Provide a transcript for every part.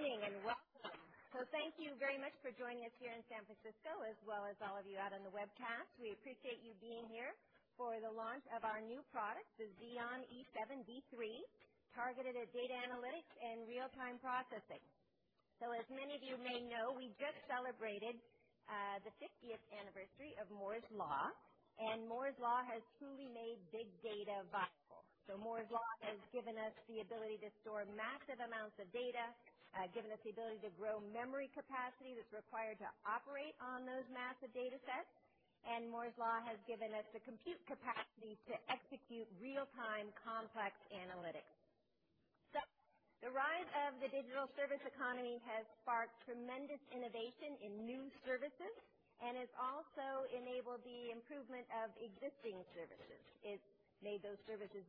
Good morning, and welcome. Thank you very much for joining us here in San Francisco, as well as all of you out on the webcast. We appreciate you being here for the launch of our new product, the Xeon E7 v3, targeted at data analytics and real-time processing. As many of you may know, we just celebrated the 50th anniversary of Moore's Law, and Moore's Law has truly made big data viable. Moore's Law has given us the ability to store massive amounts of data, given us the ability to grow memory capacity that's required to operate on those massive data sets, and Moore's Law has given us the compute capacity to execute real-time complex analytics. The rise of the digital service economy has sparked tremendous innovation in new services and has also enabled the improvement of existing services. It's made those services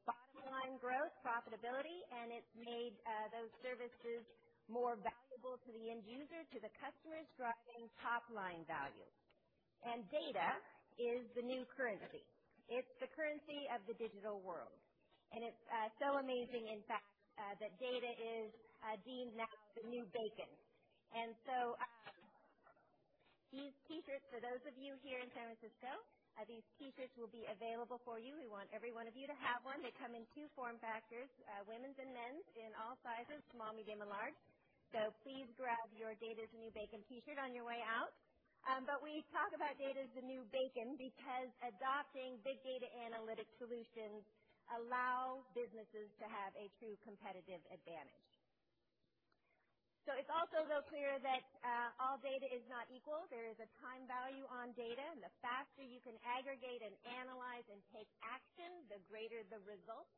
more efficient, driving bottom-line growth profitability, and it's made those services more valuable to the end user, to the customers driving top-line value. Data is the new currency. It's the currency of the digital world. It's so amazing, in fact, that data is deemed now the new bacon. These T-shirts, for those of you here in San Francisco, these T-shirts will be available for you. We want every one of you to have one. They come in two form factors, women's and men's, in all sizes, small, medium, and large. Please grab your data's the new bacon T-shirt on your way out. We talk about data as the new bacon because adopting big data analytic solutions allow businesses to have a true competitive advantage. It's also, though, clear that all data is not equal. There is a time value on data, and the faster you can aggregate and analyze and take action, the greater the results.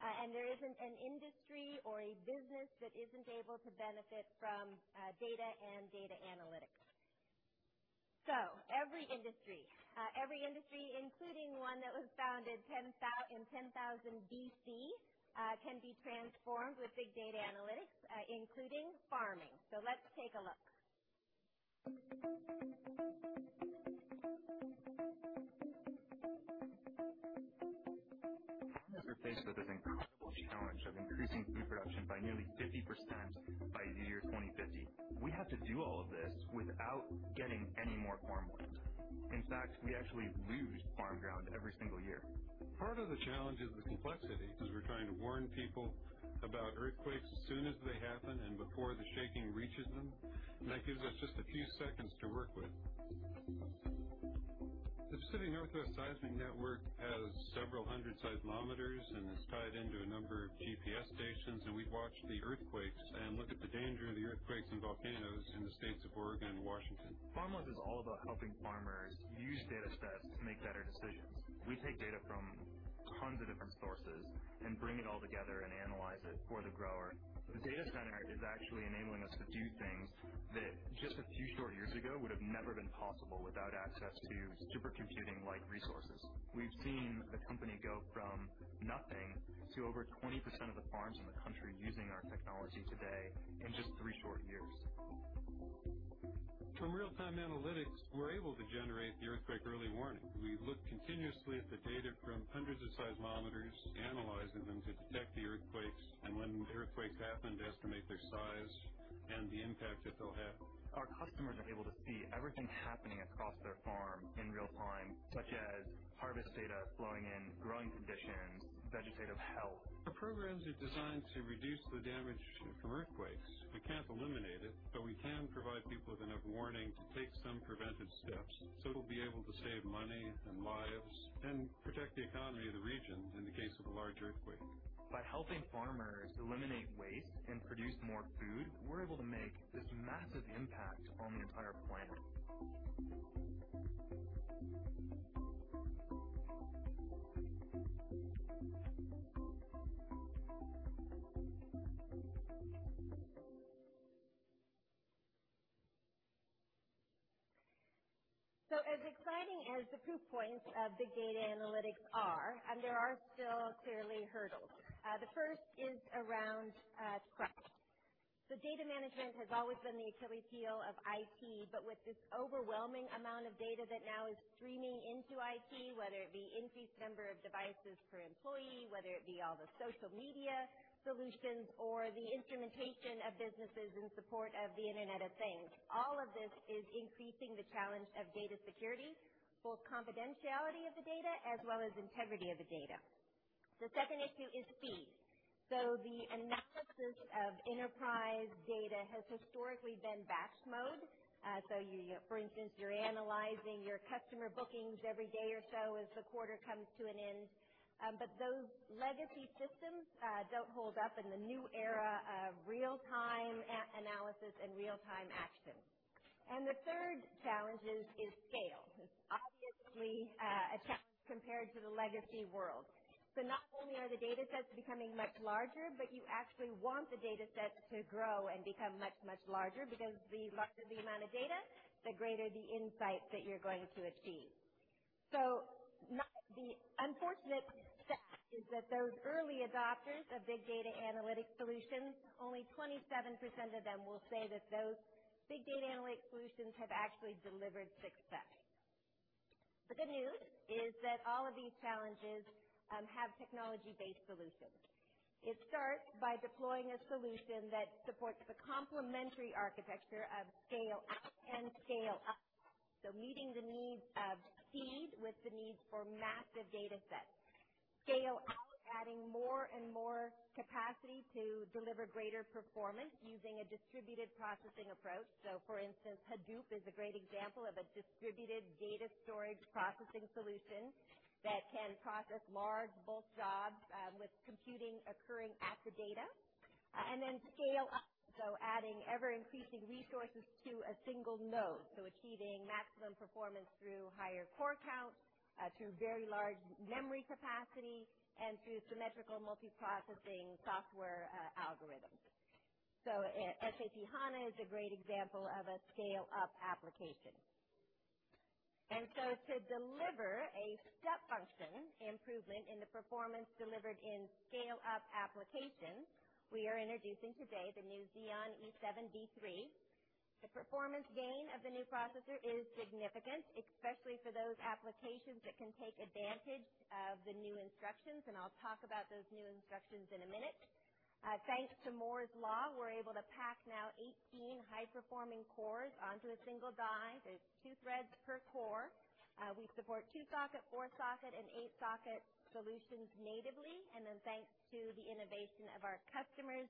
There isn't an industry or a business that isn't able to benefit from data and data analytics. Every industry including one that was founded in 10,000 BC, can be transformed with big data analytics, including farming. Let's take a look. Farmers are faced with this incredible challenge of increasing food production by nearly 50% by the year 2050. We have to do all of this without getting any more farm land. In fact, we actually lose farm ground every single year. Part of the challenge is the complexity, because we're trying to warn people about earthquakes as soon as they happen and before the shaking reaches them, and that gives us just a few seconds to work with. The Pacific Northwest Seismic Network has several hundred seismometers, and it's tied into a number of GPS stations, and we watch the earthquakes and look at the danger of the earthquakes and volcanoes in the states of Oregon and Washington. FarmWise is all about helping farmers use data sets to make better decisions. We take data from hundreds of different sources and bring it all together and analyze it for the grower. The data center is actually enabling us to do things that just a few short years ago would have never been possible without access to supercomputing-like resources. We've seen the company go from nothing to over 20% of the farms in the country using our technology today in just three short years. From real-time analytics, we're able to generate the earthquake early warning. We look continuously at the data from hundreds of seismometers, analyzing them to detect the earthquakes, and when earthquakes happen, to estimate their size and the impact that they'll have. Our customers are able to see everything happening across their farm in real time, such as harvest data flowing in, growing conditions, vegetative health. Our programs are designed to reduce the damage from earthquakes. We can't eliminate it, but we can provide people with enough warning to take some preventive steps, so it'll be able to save money and lives and protect the economy of the region in the case of a large earthquake. By helping farmers eliminate waste and produce more food, we're able to make this massive impact on the entire planet. As exciting as the proof points of big data analytics are, there are still clearly hurdles. The first is around trust. Data management has always been the Achilles' heel of IT, but with this overwhelming amount of data that now is streaming into IT, whether it be increased number of devices per employee, whether it be all the social media solutions or the instrumentation of businesses in support of the Internet of Things, all of this is increasing the challenge of data security, both confidentiality of the data as well as integrity of the data. The second issue is speed. The analysis of enterprise data has historically been batch mode. For instance, you're analyzing your customer bookings every day or so as the quarter comes to an end. But those legacy systems don't hold up in the new era of real-time analysis and real-time action. The third challenge is scale. Obviously, a challenge compared to the legacy world. Not only are the data sets becoming much larger, but you actually want the data sets to grow and become much, much larger because the larger the amount of data, the greater the insight that you're going to achieve. The unfortunate fact is that those early adopters of big data analytics solutions, only 27% of them will say that those big data analytics solutions have actually delivered success. The good news is that all of these challenges have technology-based solutions. It starts by deploying a solution that supports the complementary architecture of scale-out and scale-up. Meeting the needs of speed with the needs for massive data sets. Scale-out, adding more and more capacity to deliver greater performance using a distributed processing approach. For instance, Hadoop is a great example of a distributed data storage processing solution that can process large bulk jobs with computing occurring at the data. Scale-up, so adding ever-increasing resources to a single node. Achieving maximum performance through higher core count, through very large memory capacity, and through symmetrical multiprocessing software algorithms. SAP HANA is a great example of a scale-up application. To deliver a step function improvement in the performance delivered in scale-up applications, we are introducing today the new Xeon E7 v3. The performance gain of the new processor is significant, especially for those applications that can take advantage of the new instructions, and I'll talk about those new instructions in a minute. Thanks to Moore's Law, we're able to pack now 18 high-performing cores onto a single die. There's two threads per core. We support two-socket, four-socket, and eight-socket solutions natively. Thanks to the innovation of our customers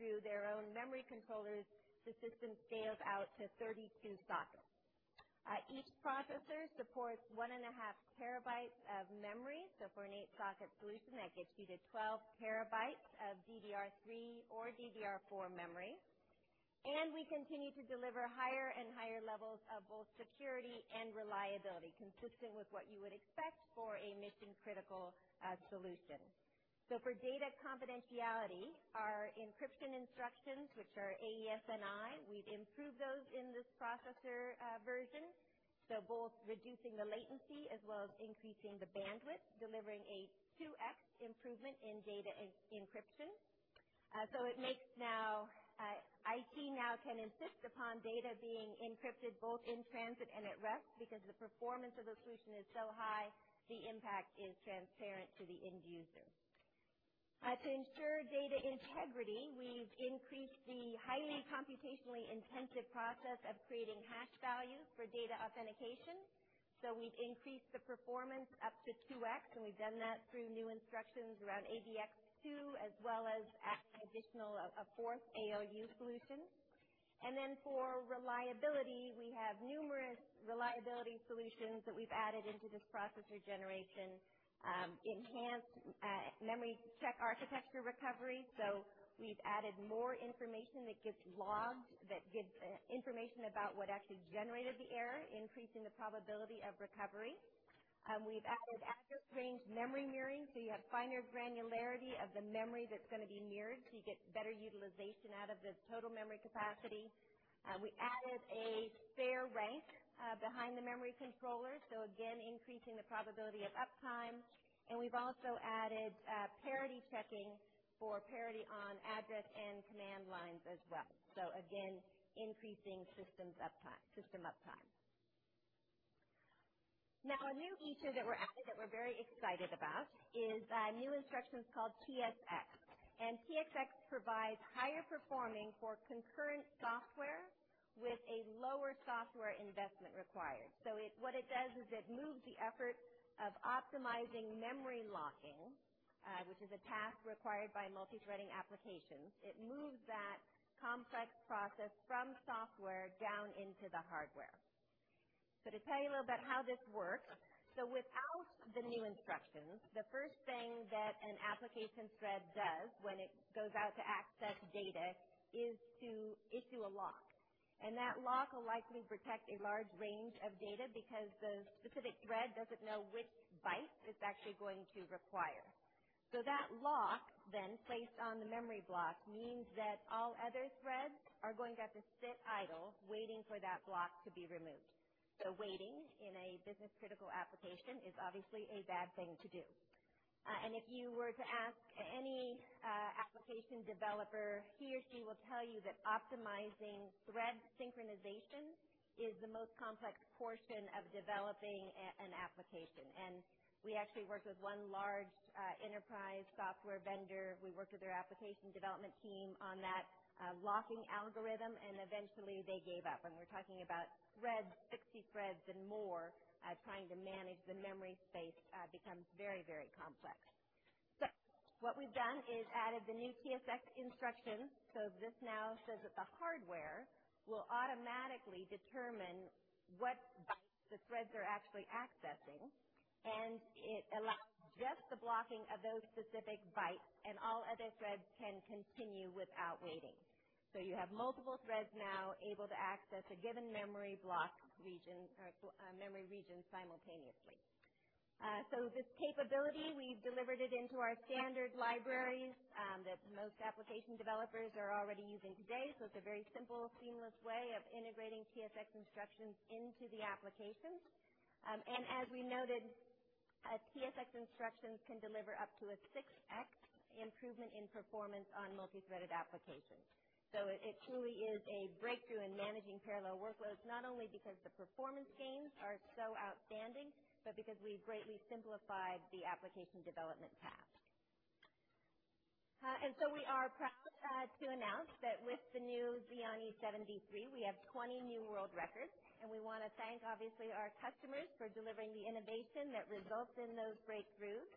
through their own memory controllers, the system scales out to 32 sockets. Each processor supports one and a half terabytes of memory. For an eight-socket solution, that gets you to 12 terabytes of DDR3 or DDR4 memory. We continue to deliver higher and higher levels of both security and reliability, consistent with what you would expect for a mission-critical solution. For data confidentiality, our encryption instructions, which are AES-NI, we've improved those in this processor version. Both reducing the latency as well as increasing the bandwidth, delivering a 2X improvement in data encryption. IT now can insist upon data being encrypted both in transit and at rest because the performance of the solution is so high, the impact is transparent to the end user. To ensure data integrity, we've increased the highly computationally intensive process of creating hash values for data authentication. We've increased the performance up to 2X, and we've done that through new instructions around AVX2 as well as adding additional, a fourth ALU solution. For reliability, we have numerous reliability solutions that we've added into this processor generation. Enhanced memory check architecture recovery. We've added more information that gets logged, that gives information about what actually generated the error, increasing the probability of recovery. We've added address range memory mirroring, so you have finer granularity of the memory that's going to be mirrored, so you get better utilization out of the total memory capacity. We added a spare rank behind the memory controller. Again, increasing the probability of uptime. We've also added parity checking for parity on address and command lines as well. Again, increasing system uptime. A new feature that we're very excited about is new instructions called TSX. TSX provides higher performing for concurrent software with a lower software investment required. What it does is it moves the effort of optimizing memory locking, which is a task required by multithreading applications. It moves that complex process from software down into the hardware. To tell you a little about how this works. Without the new instructions, the first thing that an application thread does when it goes out to access data is to issue a lock. That lock will likely protect a large range of data because the specific thread doesn't know which byte it's actually going to require. That lock then placed on the memory block means that all other threads are going to have to sit idle waiting for that block to be removed. Waiting in a business-critical application is obviously a bad thing to do. If you were to ask any application developer, he or she will tell you that optimizing thread synchronization is the most complex portion of developing an application. We actually worked with one large enterprise software vendor. We worked with their application development team on that locking algorithm, and eventually they gave up. When we're talking about threads, 60 threads and more, trying to manage the memory space becomes very complex. What we've done is added the new TSX instruction. This now says that the hardware will automatically determine what bytes the threads are actually accessing, and it allows just the blocking of those specific bytes and all other threads can continue without waiting. You have multiple threads now able to access a given memory block region or memory region simultaneously. This capability, we've delivered it into our standard libraries that most application developers are already using today. It's a very simple, seamless way of integrating TSX instructions into the application. As we noted TSX instructions can deliver up to a 6x improvement in performance on multi-threaded applications. It truly is a breakthrough in managing parallel workloads, not only because the performance gains are so outstanding, but because we've greatly simplified the application development path. We are proud to announce that with the new Xeon E7 v3, we have 20 new world records, and we want to thank, obviously, our customers for delivering the innovation that results in those breakthroughs.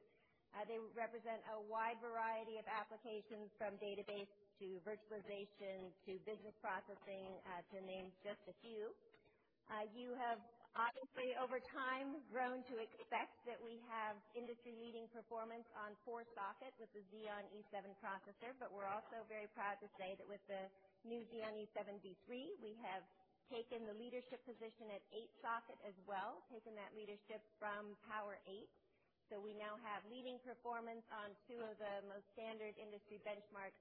They represent a wide variety of applications from database to virtualization to business processing, to name just a few. You have obviously, over time, grown to expect that we have industry-leading performance on four sockets with the Xeon E7 processor. We're also very proud to say that with the new Xeon E7 v3, we have taken the leadership position at eight socket as well, taking that leadership from POWER8. We now have leading performance on two of the most standard industry benchmarks,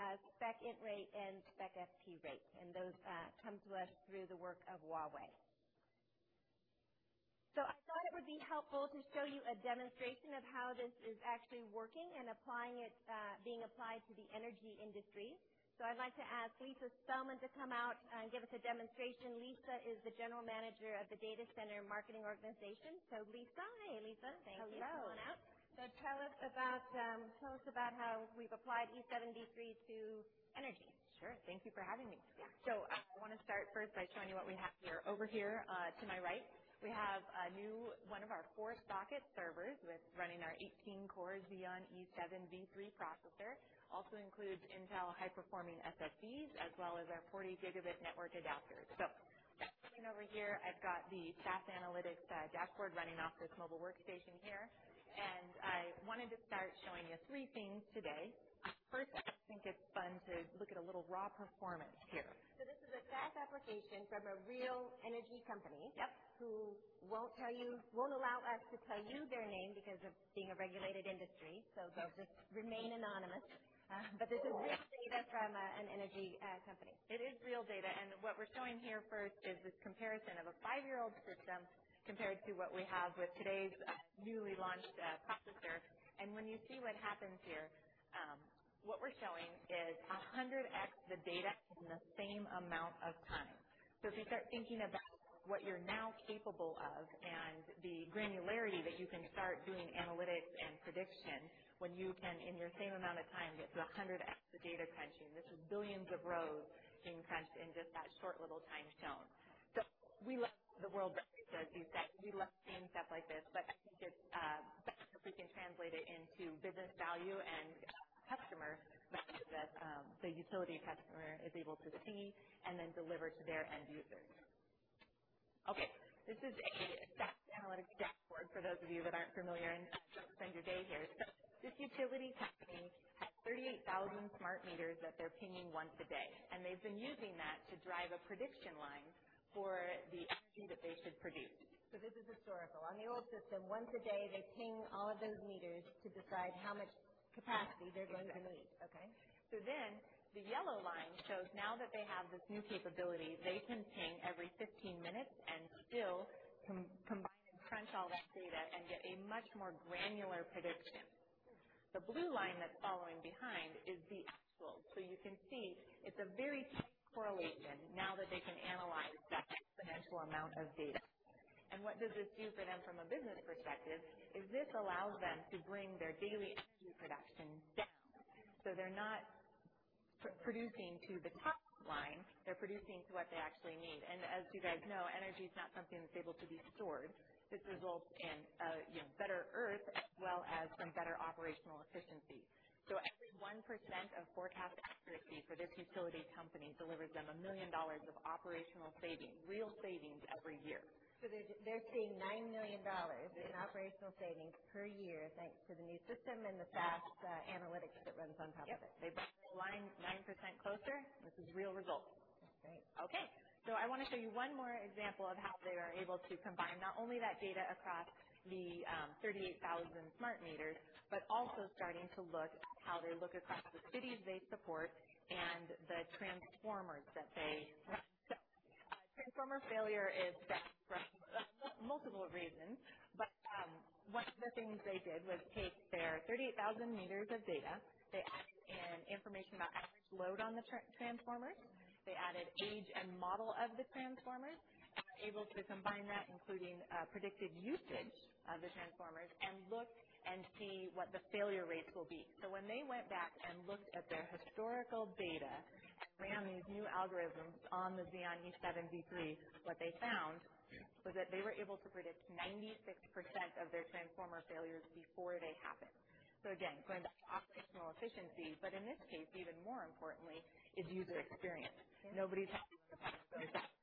SPECint_rate and SPECfp_rate, and those come to us through the work of Huawei. I thought it would be helpful to show you a demonstration of how this is actually working and being applied to the energy industry. I'd like to ask Lisa Spelman to come out and give us a demonstration. Lisa is the general manager of the Data Center Marketing Organization. Lisa. Hey, Lisa. Hello. Thank you. Come on out. Tell us about how we've applied E7 v3 to energy. Sure. Thank you for having me. Yeah. I want to start first by showing you what we have here. Over here to my right, we have a new one of our four-socket servers with running our 18-core Xeon E7 v3 processor. Also includes Intel high-performing SSDs, as well as our 40 Gigabit network adapters. Looking over here, I've got the SaaS analytics dashboard running off this mobile workstation here, and I wanted to start showing you three things today. First, I think it's fun to look at a little raw performance here. This is a SaaS application from a real energy company. Yep who won't allow us to tell you their name because of being a regulated industry, so they'll just remain anonymous. This is real data from an energy company. It is real data. What we're showing here first is this comparison of a five-year-old system compared to what we have with today's newly launched processor. When you see what happens here, what we're showing is 100x the data in the same amount of time. If you start thinking about what you're now capable of and the granularity that you can start doing analytics and prediction when you can, in your same amount of time, get to 100x the data crunching. This is billions of rows being crunched in just that short little time zone. We love the world records, as you said, we love seeing stuff like this, I think it's better if we can translate it into business value and customer value that the utility customer is able to see and then deliver to their end users. Okay, this is a SaaS analytics dashboard for those of you that aren't familiar and don't spend your day here. This utility company has 38,000 smart meters that they're pinging once a day, and they've been using that to drive a prediction line for the energy that they should produce. This is historical. On the old system, once a day, they ping all of those meters to decide how much capacity they're going to need. Exactly. Okay. The yellow line shows now that they have this new capability, they can ping every 15 minutes and still combine and crunch all that data and get a much more granular prediction. The blue line that's following behind is the actual. You can see it's a very tight correlation now that they can analyze that exponential amount of data. What does this do for them from a business perspective is this allows them to bring their daily energy production down so they're not producing to the top line, they're producing to what they actually need. As you guys know, energy is not something that's able to be stored. This results in a better earth as well as some better operational efficiency. Every 1% of forecast accuracy for this utility company delivers them $1 million of operational savings, real savings every year. They're seeing $9 million in operational savings per year thanks to the new system and the fast analytics that runs on top of it. Yep. They brought the line 9% closer. This is real results. That's great. Okay. I want to show you one more example of how they are able to combine not only that data across the 38,000 smart meters, but also starting to look at how they look across the cities they support and the transformers that they run. Transformer failure is bad for multiple reasons. One of the things they did was take their 38,000 meters of data. They added in information about average load on the transformers. They added age and model of the transformers, and were able to combine that, including predicted usage of the transformers, and look and see what the failure rates will be. When they went back and looked at their historical data and ran these new algorithms on the Xeon E7 v3, what they found was that they were able to predict 96% of their transformer failures before they happened. Again, going back to operational efficiency, but in this case, even more importantly, is user experience. Nobody's happier about those transformers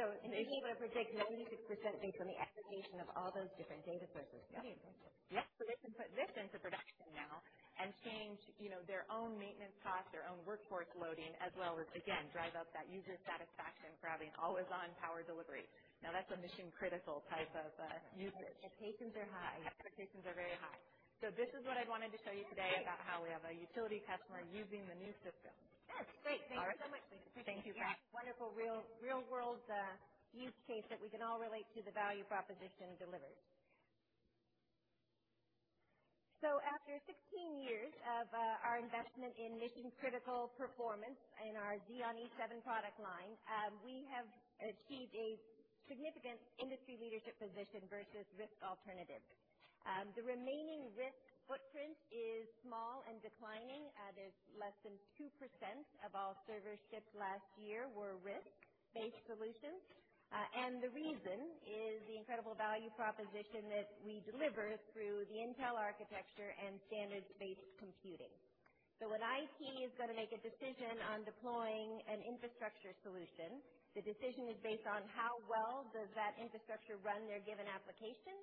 going down. They're able to predict 96% based on the aggregation of all those different data sources. Yep. Amazing. Yep. They can put this into production now and change their own maintenance costs, their own workforce loading, as well as again, drive up that user satisfaction for having always-on power delivery. Now, that's a mission-critical type of usage. Expectations are high. Expectations are very high. This is what I wanted to show you today about how we have a utility customer using the new system. That's great. Thank you so much, Lisa. Thank you, [inaudible] Wonderful real-world use case that we can all relate to the value proposition delivered. After 16 years of our investment in mission-critical performance in our Xeon E7 product line, we have achieved a significant industry leadership position versus RISC alternatives. The remaining RISC footprint is small and declining, as less than 2% of all server ships last year were RISC-based solutions. The reason is the incredible value proposition that we deliver through the Intel architecture and standards-based computing. When IT is going to make a decision on deploying an infrastructure solution, the decision is based on how well does that infrastructure run their given application,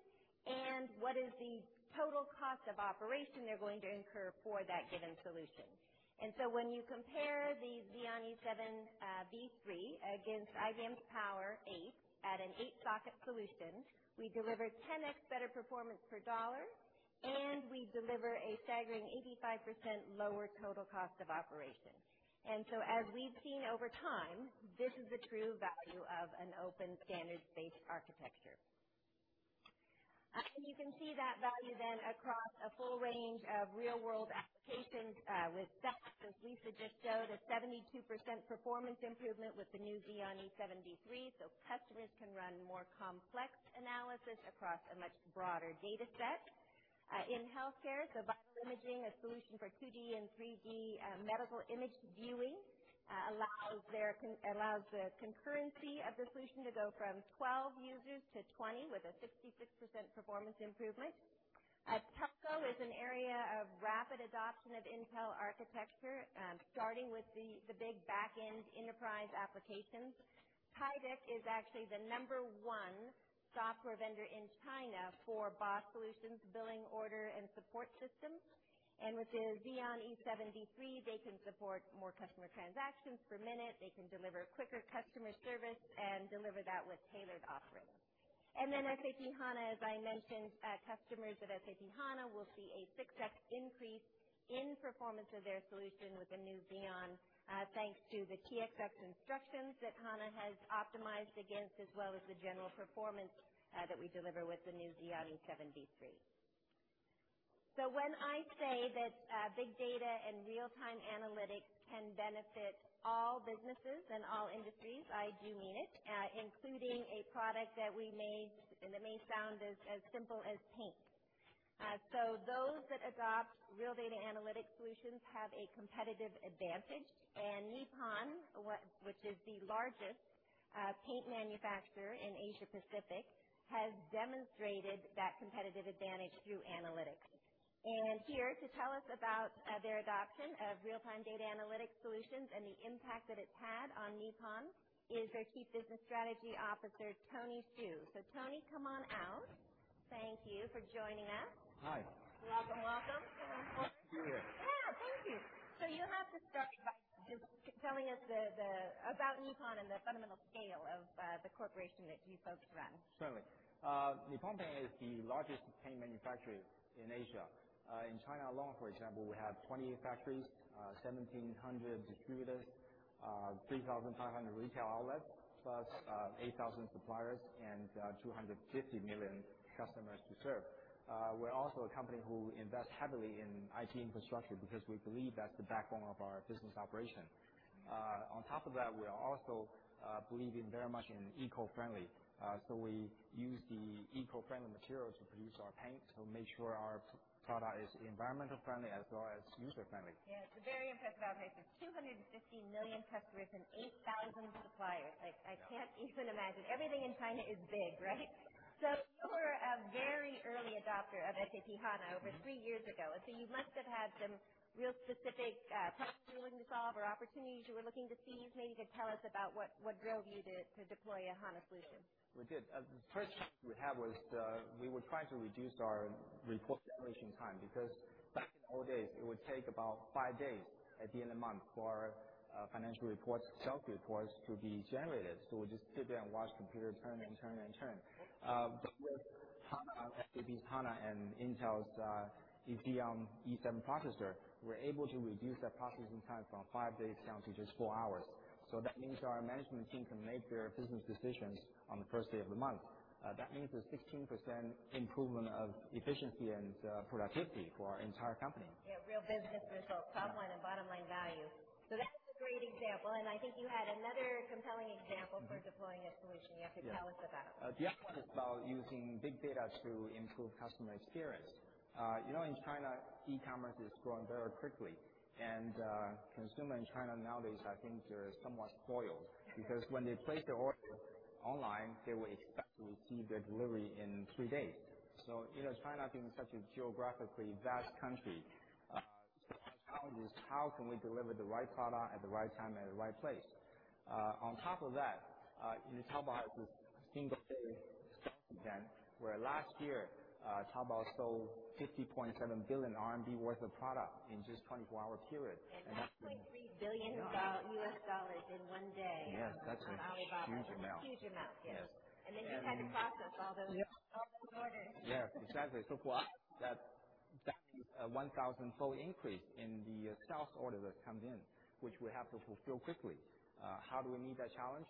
and what is the total cost of operation they're going to incur for that given solution. When you compare the Xeon E7 v3 against IBM's POWER8 at an eight-socket solution, we deliver 10x better performance per dollar, and we deliver a staggering 85% lower total cost of operation. As we've seen over time, this is the true value of an open standards-based architecture. You can see that value then across a full range of real-world applications with best, as Lisa just showed, a 72% performance improvement with the new Xeon E7 v3 so customers can run more complex analysis across a much broader data set. In healthcare, Vital Images, a solution for 2D and 3D medical image viewing, allows the concurrency of the solution to go from 12 users to 20 with a 66% performance improvement. Telco is an area of rapid adoption of Intel architecture, starting with the big back-end enterprise applications. HiTech is actually the number one software vendor in China for BSS solutions, billing, order, and support systems. With the Xeon E7 v3, they can support more customer transactions per minute. They can deliver quicker customer service and deliver that with tailored offerings. Then SAP HANA, as I mentioned, customers of SAP HANA will see a 6x increase in performance of their solution with the new Xeon, thanks to the TSX instructions that HANA has optimized against, as well as the general performance that we deliver with the new Xeon E7 v3. When I say that big data and real-time analytics can benefit all businesses and all industries, I do mean it, including a product that may sound as simple as paint. Those that adopt real data analytics solutions have a competitive advantage, and Nippon, which is the largest paint manufacturer in Asia Pacific, has demonstrated that competitive advantage through analytics. Here to tell us about their adoption of real-time data analytics solutions and the impact that it's had on Nippon is their Chief Business Strategy Officer, [Tony Xu]. Tony, come on out. Thank you for joining us. Hi. Welcome. Thank you. Yeah, thank you. You have to start by just telling us about Nippon and the fundamental scale of the corporation that you folks run. Certainly. Nippon is the largest paint manufacturer in Asia. In China alone, for example, we have 28 factories, 1,700 distributors, 3,500 retail outlets, plus 8,000 suppliers and 250 million customers to serve. We are also a company who invest heavily in IT infrastructure because we believe that is the backbone of our business operation. On top of that, we also believe very much in eco-friendly, so we use eco-friendly materials to produce our paint to make sure our product is environmental friendly as well as user friendly. Yeah, it is a very impressive operation. 250 million customers and 8,000 suppliers. I cannot even imagine. Everything in China is big, right? You were a very early adopter of SAP HANA over three years ago. You must have had some real specific problems you were looking to solve or opportunities you were looking to seize. Maybe you could tell us about what drove you to deploy a HANA solution. We did. The first challenge we had was we were trying to reduce our report generation time, because back in the old days, it would take about five days at the end of the month for financial reports, sales reports to be generated. We just sit there and watch computer turn and turn and turn. With SAP HANA and Intel's Xeon E7 processor, we are able to reduce that processing time from five days down to just four hours. That means our management team can make their business decisions on the first day of the month. That means a 16% improvement of efficiency and productivity for our entire company. Yeah, real business results, top-line, and bottom-line value. That's a great example, and I think you had another compelling example for deploying a solution you have to tell us about. The other one is about using big data to improve customer experience. In China, e-commerce is growing very quickly, and consumers in China nowadays, I think they are somewhat spoiled, because when they place their order online, they will expect to receive their delivery in three days. China being such a geographically vast country, so our challenge is how can we deliver the right product at the right time, at the right place. On top of that, in Taobao, this single day sale event, where last year, Taobao sold 57.1 billion RMB worth of product in just 24 hours period. $9.3 billion US in one day. Yes, that's a huge amount. Huge amount. Yes. You had to process all those. Yes, exactly. For us, that's a 1,000-fold increase in the sales orders that come in, which we have to fulfill quickly. How do we meet that challenge?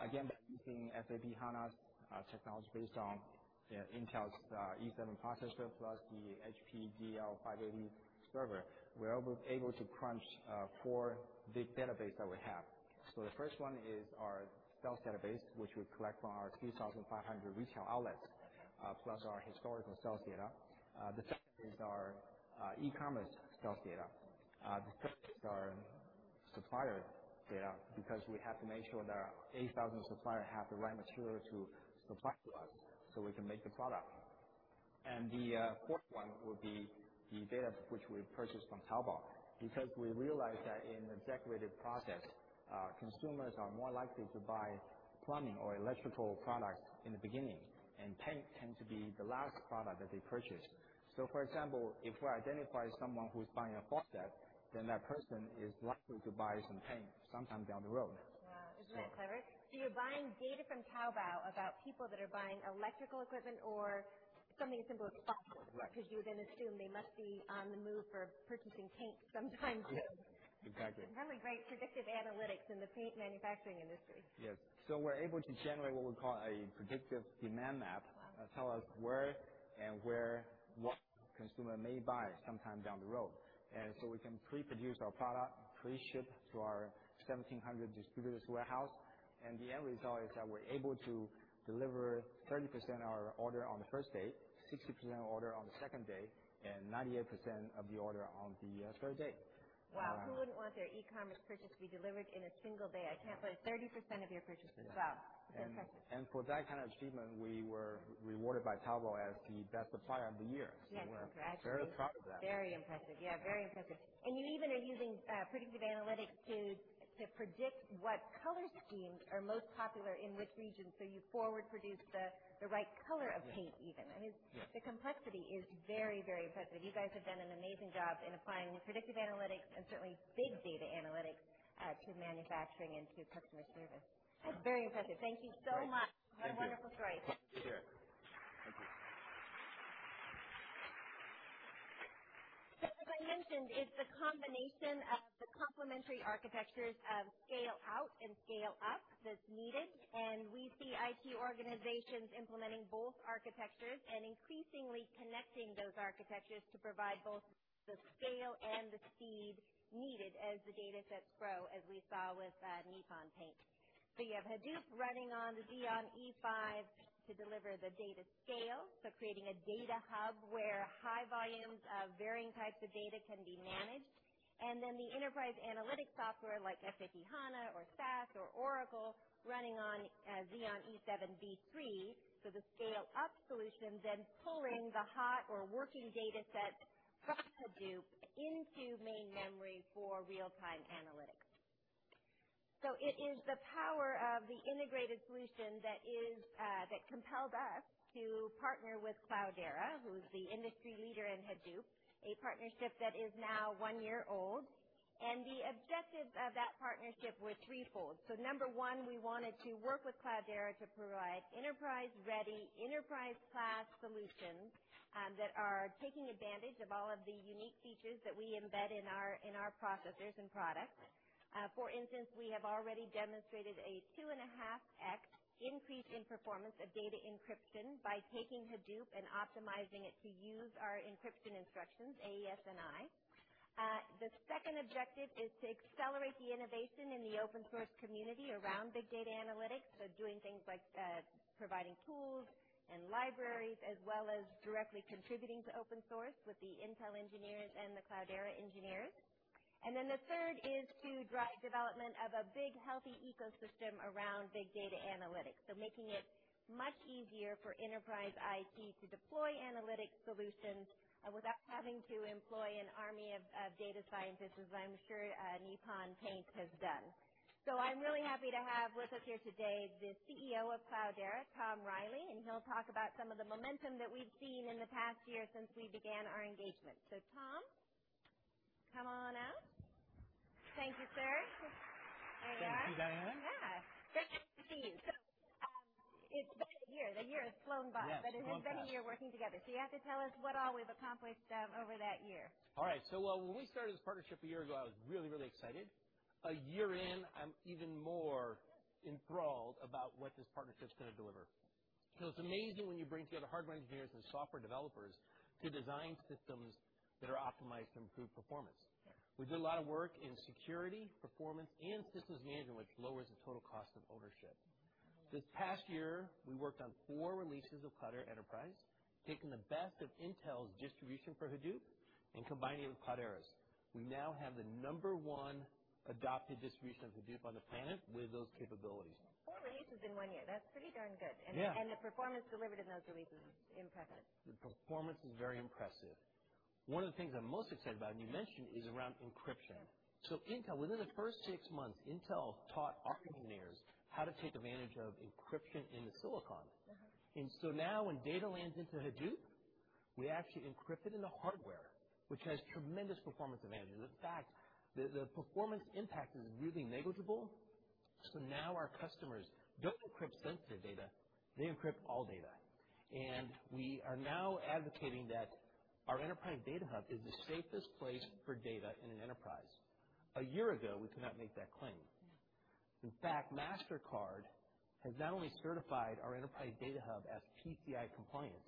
Again, by using SAP HANA's technology based on Intel's E7 processor plus the HP DL580 server, we're able to crunch four big database that we have. The first one is our sales database, which we collect from our 3,500 retail outlets, plus our historical sales data. The second is our e-commerce sales data. The third is our supplier data, because we have to make sure that our 8,000 suppliers have the right material to supply to us so we can make the product. The fourth one would be the data which we purchased from Taobao. Because we realized that in the decorated process, consumers are more likely to buy plumbing or electrical products in the beginning, and paint tends to be the last product that they purchase. For example, if we identify someone who's buying a faucet, that person is likely to buy some paint sometime down the road. Wow. Isn't that clever? You're buying data from Taobao about people that are buying electrical equipment or something as simple as faucets. Right. You then assume they must be on the move for purchasing paint sometime soon. Yes. Exactly. Really great predictive analytics in the paint manufacturing industry. Yes. We're able to generate what we call a predictive demand map. Wow That tell us where and where what consumer may buy sometime down the road. We can pre-produce our product, pre-ship to our 1,700 distributors' warehouse. The end result is that we're able to deliver 30% of our order on the first day, 60% of order on the second day, and 98% of the order on the third day. Wow. Who wouldn't want their e-commerce purchase to be delivered in a single day? I can't believe 30% of your purchases. Wow. That's impressive. For that kind of achievement, we were rewarded by Taobao as the best supplier of the year. Yes. Congratulations. We're very proud of that. Very impressive. Yeah. Very impressive. You even are using predictive analytics to predict what color schemes are most popular in which region, you forward produce the right color of paint even. Yeah. I mean, the complexity is very, very impressive. You guys have done an amazing job in applying predictive analytics and certainly big data analytics to manufacturing and to customer service. That's very impressive. Thank you so much. Great. Thank you. What a wonderful story. Happy to share. Thank you. As I mentioned, it's the combination of the complementary architectures of scale out and scale up that's needed, and we see IT organizations implementing both architectures and increasingly connecting those architectures to provide both the scale and the speed needed as the datasets grow, as we saw with Nippon Paint. You have Hadoop running on the Xeon E5 to deliver the data scale, so creating a data hub where high volumes of varying types of data can be managed. The enterprise analytics software like SAP HANA or SAS or Oracle running on Xeon E7 v3, so the scale-up solution then pulling the hot or working dataset from Hadoop into main memory for real-time analytics. It is the power of the integrated solution that compelled us to partner with Cloudera, who's the industry leader in Hadoop, a partnership that is now one year old. The objectives of that partnership were threefold. Number one, we wanted to work with Cloudera to provide enterprise-ready, enterprise-class solutions that are taking advantage of all of the unique features that we embed in our processors and products. For instance, we have already demonstrated a 2.5x increase in performance of data encryption by taking Hadoop and optimizing it to use our encryption instructions, AES-NI. The second objective is to accelerate the innovation in the open source community around big data analytics, so doing things like providing tools and libraries, as well as directly contributing to open source with the Intel engineers and the Cloudera engineers. The third is to drive development of a big, healthy ecosystem around big data analytics, so making it much easier for enterprise IT to deploy analytic solutions without having to employ an army of data scientists, as I'm sure Nippon Paint has done. I'm really happy to have with us here today the CEO of Cloudera, Tom Reilly, and he'll talk about some of the momentum that we've seen in the past year since we began our engagement. Tom, come on out. Thank you, sir. There you are. Thank you, Diane. Yeah. Great to see you. It's been a year. The year has flown by. Yes. It has flown fast. It has been a year of working together. You have to tell us what all we've accomplished over that year. All right. When we started this partnership a year ago, I was really, really excited. A year in, I'm even more enthralled about what this partnership's going to deliver. It's amazing when you bring together hardware engineers and software developers to design systems that are optimized to improve performance. We did a lot of work in security, performance, and systems management, which lowers the total cost of ownership. This past year, we worked on four releases of Cloudera Enterprise, taking the best of Intel's distribution for Hadoop and combining it with Cloudera's. We now have the number one adopted distribution of Hadoop on the planet with those capabilities. Four releases in one year. That's pretty darn good. Yeah. The performance delivered in those releases is impressive. The performance is very impressive. One of the things I'm most excited about, and you mentioned, is around encryption. Yeah. Intel, within the first six months, Intel taught our engineers how to take advantage of encryption in the silicon. Now when data lands into Hadoop, we actually encrypt it in the hardware, which has tremendous performance advantages. In fact, the performance impact is really negligible. Now our customers don't encrypt sensitive data, they encrypt all data. We are now advocating that our enterprise data hub is the safest place for data in an enterprise. A year ago, we could not make that claim. Yeah. In fact, Mastercard has not only certified our enterprise data hub as PCI compliant,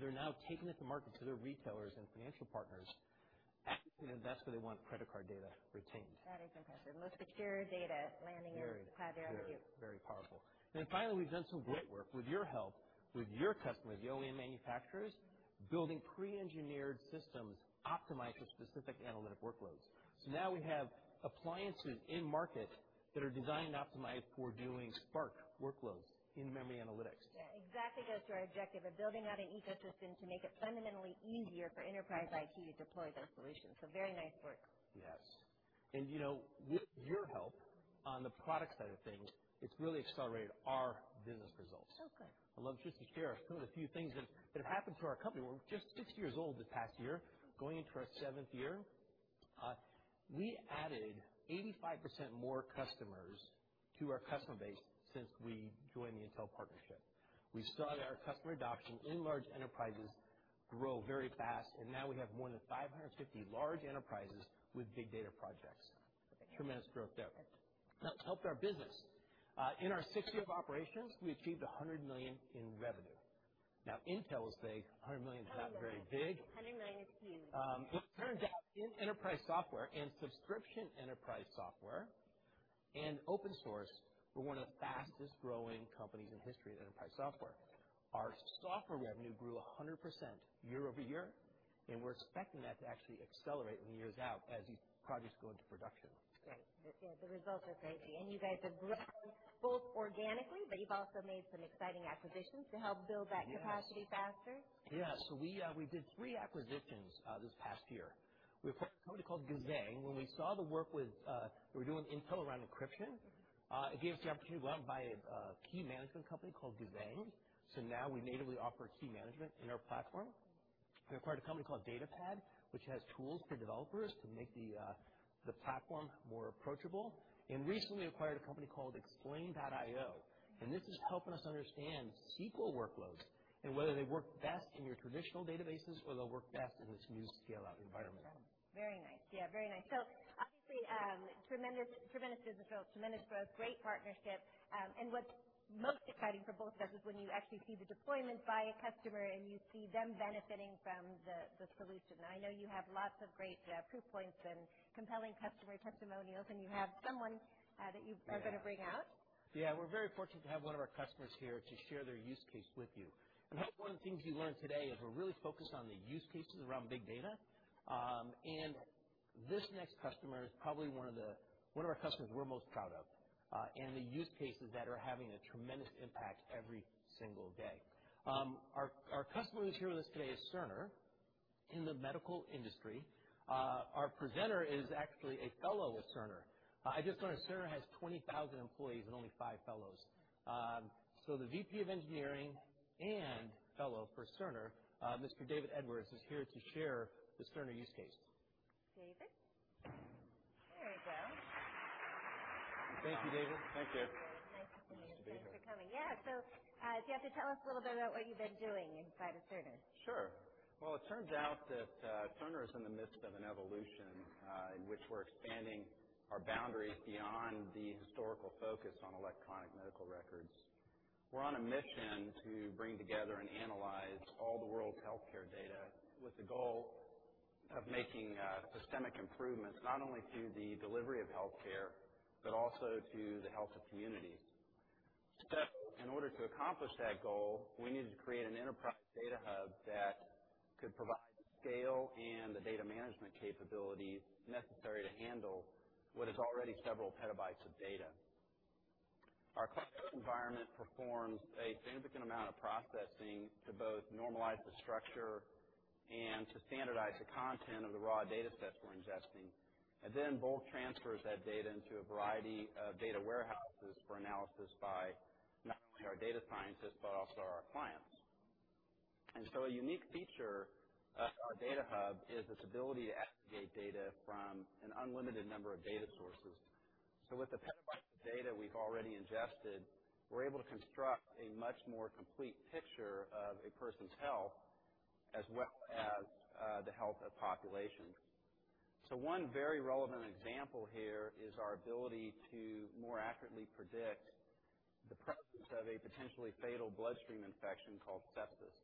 they're now taking it to market to their retailers and financial partners as the place where they want credit card data retained. That is impressive. Most secure data landing in Cloudera. Very powerful. Finally, we've done some great work with your help, with your customers, the OEM manufacturers, building pre-engineered systems optimized for specific analytic workloads. Now we have appliances in market that are designed and optimized for doing Spark workloads in memory analytics. Yeah. Exactly goes to our objective of building out an ecosystem to make it fundamentally easier for enterprise IT to deploy their solutions. Very nice work. With your help on the product side of things, it's really accelerated our business results. Good. I'd love just to share a few of the things that have happened to our company. We're just six years old this past year, going into our seventh year. We added 85% more customers to our customer base since we joined the Intel partnership. We saw our customer adoption in large enterprises grow very fast, and now we have more than 550 large enterprises with big data projects. Okay. Tremendous growth there. Good. That's helped our business. In our sixth year of operations, we achieved $100 million in revenue. Now Intel will say $100 million is not very big. $100 million is huge. Well, it turns out in enterprise software and subscription enterprise software, and open source, we're one of the fastest growing companies in the history of enterprise software. Our software revenue grew 100% year-over-year, we're expecting that to actually accelerate when it years out as these projects go into production. Great. Yeah, the results are great, you guys have grown both organically, you've also made some exciting acquisitions to help build that capacity faster. Yes. We did three acquisitions this past year. We acquired a company called Gazzang. When we saw the work with, we were doing Intel around encryption, it gave us the opportunity to go out and buy a key management company called Gazzang. Now we natively offer key management in our platform. We acquired a company called DataPad, which has tools for developers to make the platform more approachable, and recently acquired a company called Xplain.io. This is helping us understand SQL workloads and whether they work best in your traditional databases or they'll work best in this new scale-out environment. Very nice. Yeah, very nice. Obviously, tremendous business growth, tremendous growth, great partnership. What's most exciting for both of us is when you actually see the deployment by a customer, and you see them benefiting from the solution. I know you have lots of great proof points and compelling customer testimonials, and you have someone that you are going to bring out. Yeah. We're very fortunate to have one of our customers here to share their use case with you. Hopefully, one of the things you learn today is we're really focused on the use cases around big data. This next customer is probably one of our customers we're most proud of, and the use cases that are having a tremendous impact every single day. Our customer who's here with us today is Cerner in the medical industry. Our presenter is actually a Fellow with Cerner. I just learned Cerner has 20,000 employees and only five Fellows. The VP of Engineering and Fellow for Cerner, Mr. David Edwards, is here to share the Cerner use case. David. There we go. Thank you, David. Thank you. Nice to see you. Nice to be here. Thanks for coming. Yeah. If you have to tell us a little bit about what you've been doing inside of Cerner. Sure. Well, it turns out that Cerner is in the midst of an evolution, in which we're expanding our boundaries beyond the historical focus on electronic medical records. We're on a mission to bring together and analyze all the world's healthcare data with the goal of making systemic improvements, not only to the delivery of healthcare, but also to the health of communities. In order to accomplish that goal, we needed to create an enterprise data hub that could provide the scale and the data management capabilities necessary to handle what is already several petabytes of data. Our cloud environment performs a significant amount of processing to both normalize the structure and to standardize the content of the raw data sets we're ingesting, then bulk transfers that data into a variety of data warehouses for analysis by not only our data scientists, but also our clients. A unique feature of our data hub is its ability to aggregate data from an unlimited number of data sources. With the petabytes of data we've already ingested, we're able to construct a much more complete picture of a person's health, as well as the health of populations. One very relevant example here is our ability to more accurately predict the presence of a potentially fatal bloodstream infection called sepsis,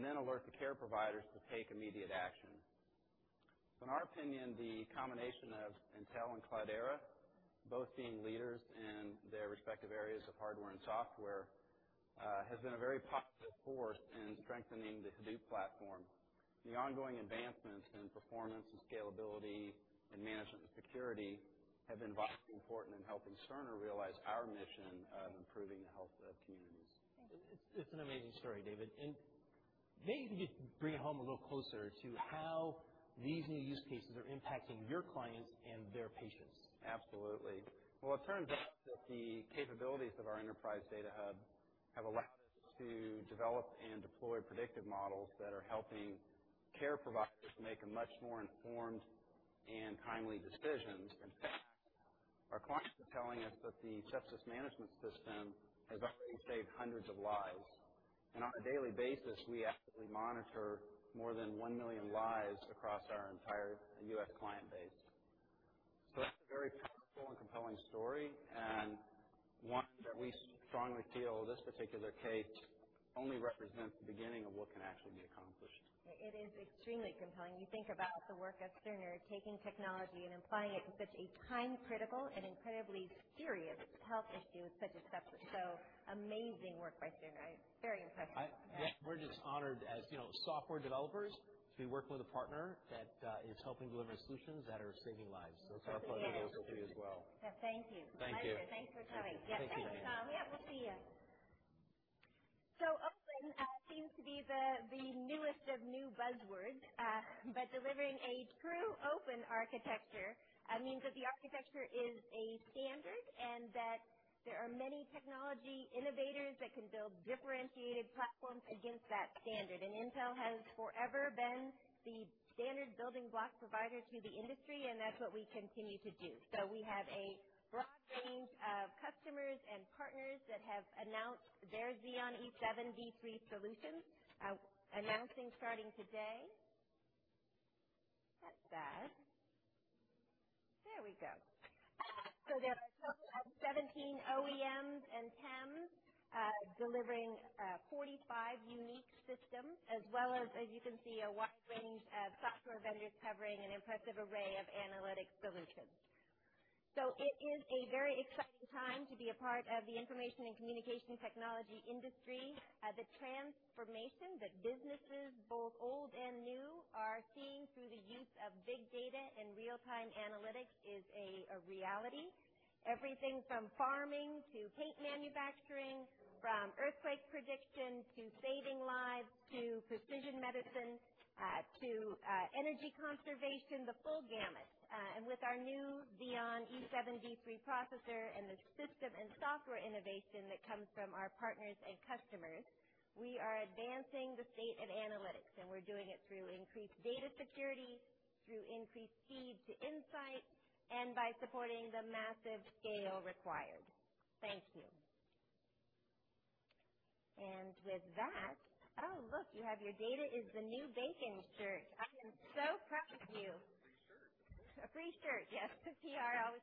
then alert the care providers to take immediate action. In our opinion, the combination of Intel and Cloudera, both being leaders in their respective areas of hardware and software, has been a very positive force in strengthening the Hadoop platform. The ongoing advancements in performance and scalability and management and security have been vitally important in helping Cerner realize our mission of improving the health of communities. Thank you. It's an amazing story, David. Maybe you can just bring it home a little closer to how these new use cases are impacting your clients and their patients. Absolutely. Well, it turns out that the capabilities of our enterprise data hub have allowed us to develop and deploy predictive models that are helping care providers make much more informed and timely decisions. In fact, our clients are telling us that the sepsis management system has already saved hundreds of lives. On a daily basis, we actively monitor more than 1 million lives across our entire U.S. client base. That's a very powerful and compelling story, and one that we strongly feel this particular case only represents the beginning of what can actually be accomplished. It is extremely compelling. You think about the work of Cerner taking technology and applying it to such a time-critical and incredibly serious health issue such as sepsis. Amazing work by Cerner. Very impressive. We're just honored as software developers to be working with a partner that is helping deliver solutions that are saving lives. It's our pleasure to be here as well. Thank you. Thank you. Pleasure. Thanks for coming. Thanks, Tom. Yeah, we'll see you. Open seems to be the newest of new buzzwords, but delivering a true open architecture means that the architecture is a standard, and that there are many technology innovators that can build differentiated platforms against that standard. Intel has forever been the standard building block provider to the industry, and that's what we continue to do. We have a broad range of customers and partners that have announced their Xeon E7 v3 solutions, announcing starting today. That's sad. There we go. There are a total of 17 OEMs and TEMs delivering 45 unique systems, as well as you can see, a wide range of software vendors covering an impressive array of analytic solutions. It is a very exciting time to be a part of the information and communication technology industry. The transformation that businesses, both old and new, are seeing through the use of big data and real-time analytics is a reality. Everything from farming to paint manufacturing, from earthquake prediction to saving lives, to precision medicine, to energy conservation, the full gamut. With our new Xeon E7 v3 processor and the system and software innovation that comes from our partners and customers, we are advancing the state of analytics, and we're doing it through increased data security, through increased speed to insight, and by supporting the massive scale required. Thank you. With that, oh, look, you have your data is the new bacon shirt. I am so proud of you. Free shirt. A free shirt. Yes. PR always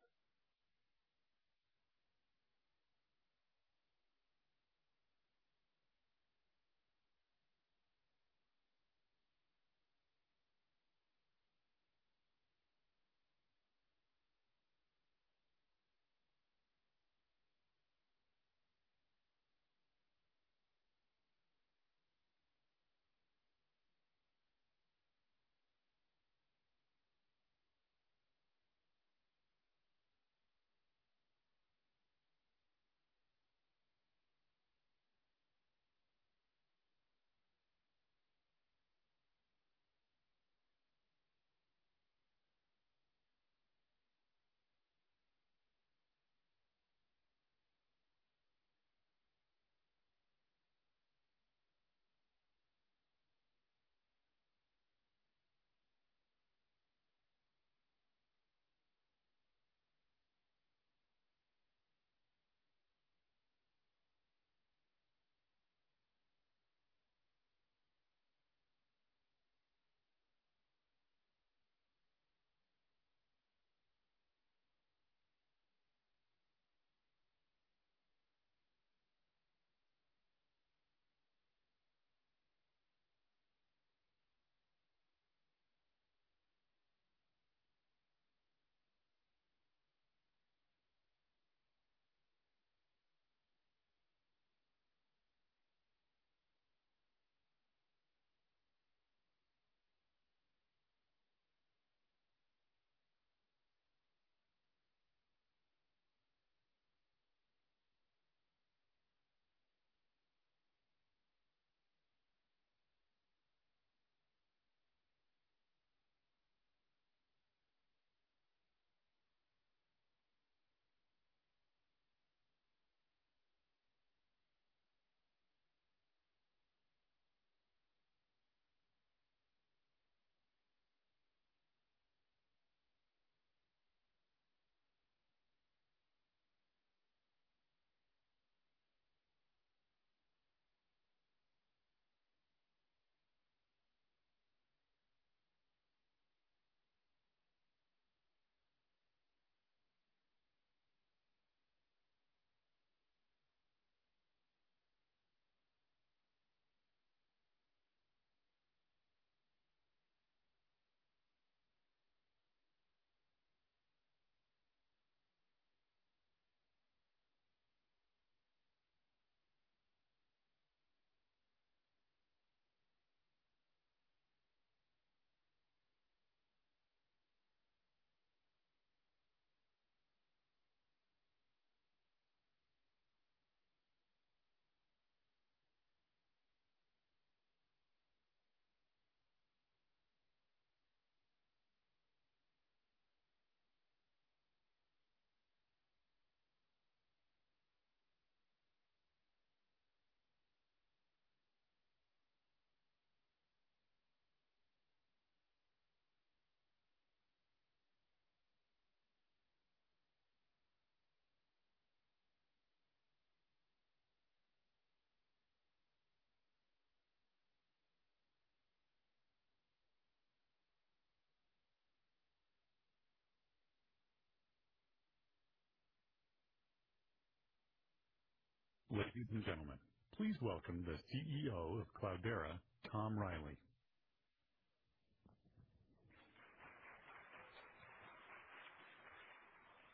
Ladies and gentlemen, please welcome the CEO of Cloudera, Tom Reilly.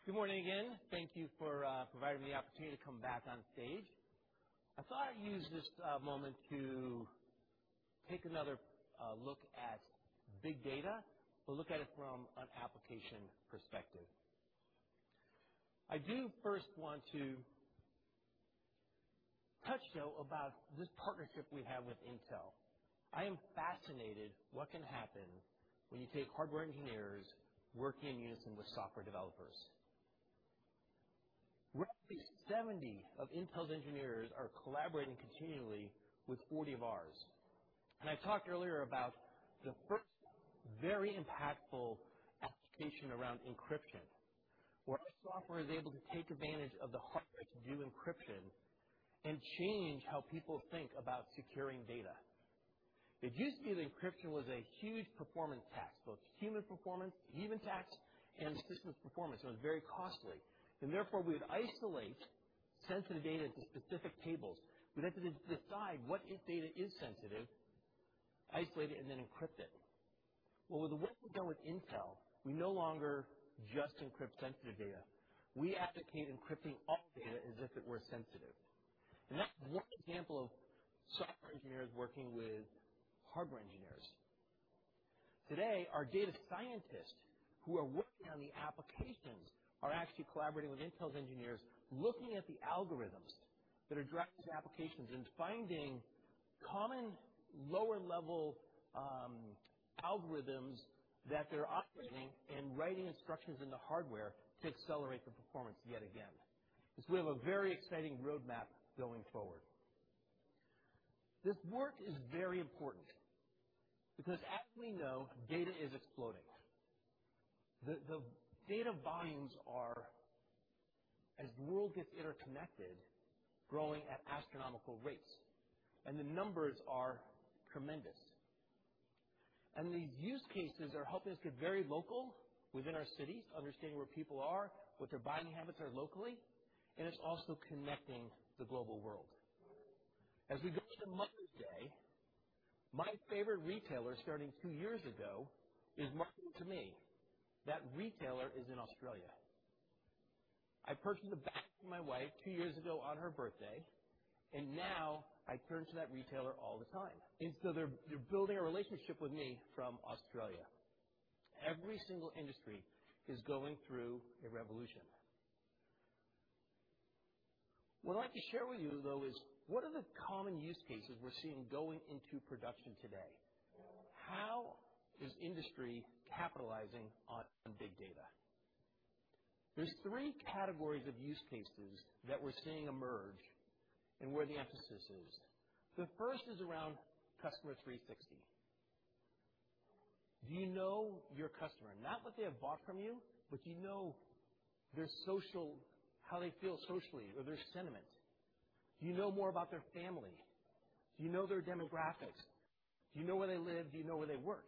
Good morning again. Thank you for providing me the opportunity to come back on stage. I thought I'd use this moment to take another look at big data, but look at it from an application perspective. I do first want to touch, though, about this partnership we have with Intel. I am fascinated what can happen when you take hardware engineers working in unison with software developers. Roughly 70 of Intel's engineers are collaborating continually with 40 of ours. I talked earlier about the first very impactful application around encryption, where our software is able to take advantage of the hardware to do encryption and change how people think about securing data. It used to be that encryption was a huge performance tax, both human performance, even tax, and system performance. It was very costly. Therefore, we would isolate sensitive data into specific tables. We'd have to decide what data is sensitive, isolate it, and then encrypt it. With the work we've done with Intel, we no longer just encrypt sensitive data. We advocate encrypting all data as if it were sensitive. That's one example of software engineers working with hardware engineers. Today, our data scientists who are working on the applications are actually collaborating with Intel's engineers, looking at the algorithms that are driving these applications and finding common lower-level algorithms that they're operating and writing instructions in the hardware to accelerate the performance yet again. We have a very exciting roadmap going forward. This work is very important because as we know, data is exploding. The data volumes are, as the world gets interconnected, growing at astronomical rates, and the numbers are tremendous. These use cases are helping us get very local within our cities, understanding where people are, what their buying habits are locally, and it's also connecting the global world. As we go into Mother's Day, my favorite retailer starting two years ago is marketing to me. That retailer is in Australia. I purchased a bag for my wife two years ago on her birthday, and now I turn to that retailer all the time. They're building a relationship with me from Australia. Every single industry is going through a revolution. What I'd like to share with you, though, is what are the common use cases we're seeing going into production today? How is industry capitalizing on big data? There's 3 categories of use cases that we're seeing emerge and where the emphasis is. The first is around customer 360. Do you know your customer? Not what they have bought from you, but do you know how they feel socially or their sentiment? Do you know more about their family? Do you know their demographics? Do you know where they live? Do you know where they work?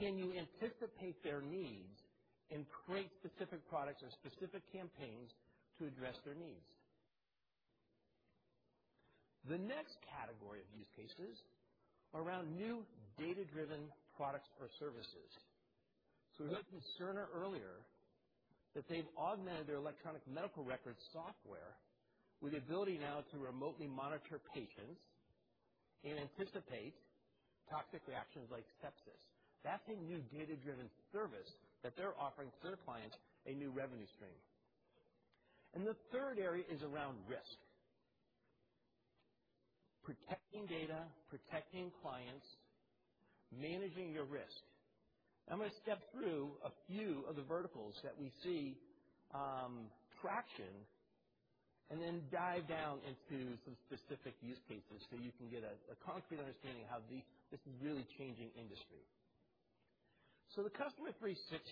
Can you anticipate their needs and create specific products or specific campaigns to address their needs? The next category of use cases are around new data-driven products or services. We heard from Cerner earlier that they've augmented their electronic medical record software with the ability now to remotely monitor patients and anticipate toxic reactions like sepsis. That's a new data-driven service that they're offering to their clients, a new revenue stream. The third area is around risk. Protecting data, protecting clients, managing your risk. I'm going to step through a few of the verticals that we see traction and then dive down into some specific use cases so you can get a concrete understanding of how this is really changing industry. The customer 360,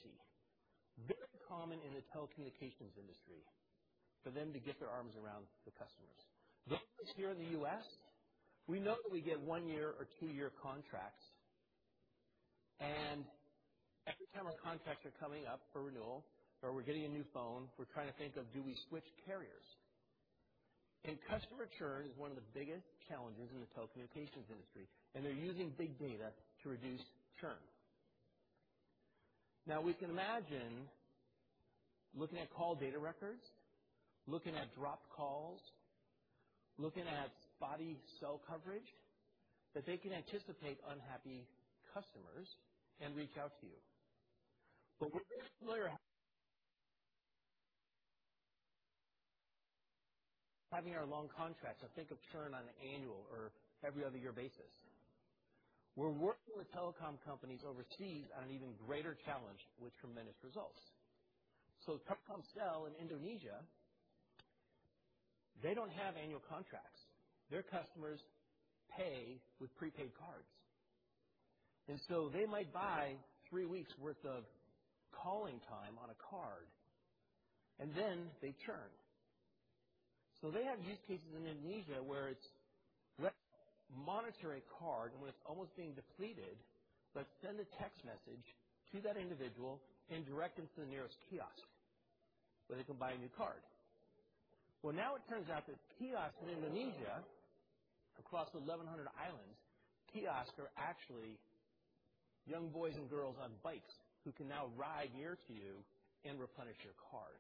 very common in the telecommunications industry for them to get their arms around the customers. Those of us here in the U.S., we know that we get one-year or two-year contracts, and every time our contracts are coming up for renewal or we're getting a new phone, we're trying to think of, do we switch carriers? Customer churn is one of the biggest challenges in the telecommunications industry, and they're using big data to reduce churn. We can imagine looking at call data records, looking at dropped calls, looking at spotty cell coverage, that they can anticipate unhappy customers and reach out to you. We're very familiar. Having our long contracts, I think of churn on an annual or every other year basis. We're working with telecom companies overseas on an even greater challenge with tremendous results. Telkomsel in Indonesia, they don't have annual contracts. Their customers pay with prepaid cards. They might buy three weeks worth of calling time on a card, and then they churn. They have use cases in Indonesia where it's, let's monitor a card, and when it's almost being depleted, let's send a text message to that individual and direct them to the nearest kiosk where they can buy a new card. Now it turns out that kiosks in Indonesia, across 1,100 islands, kiosks are actually young boys and girls on bikes who can now ride near to you and replenish your card.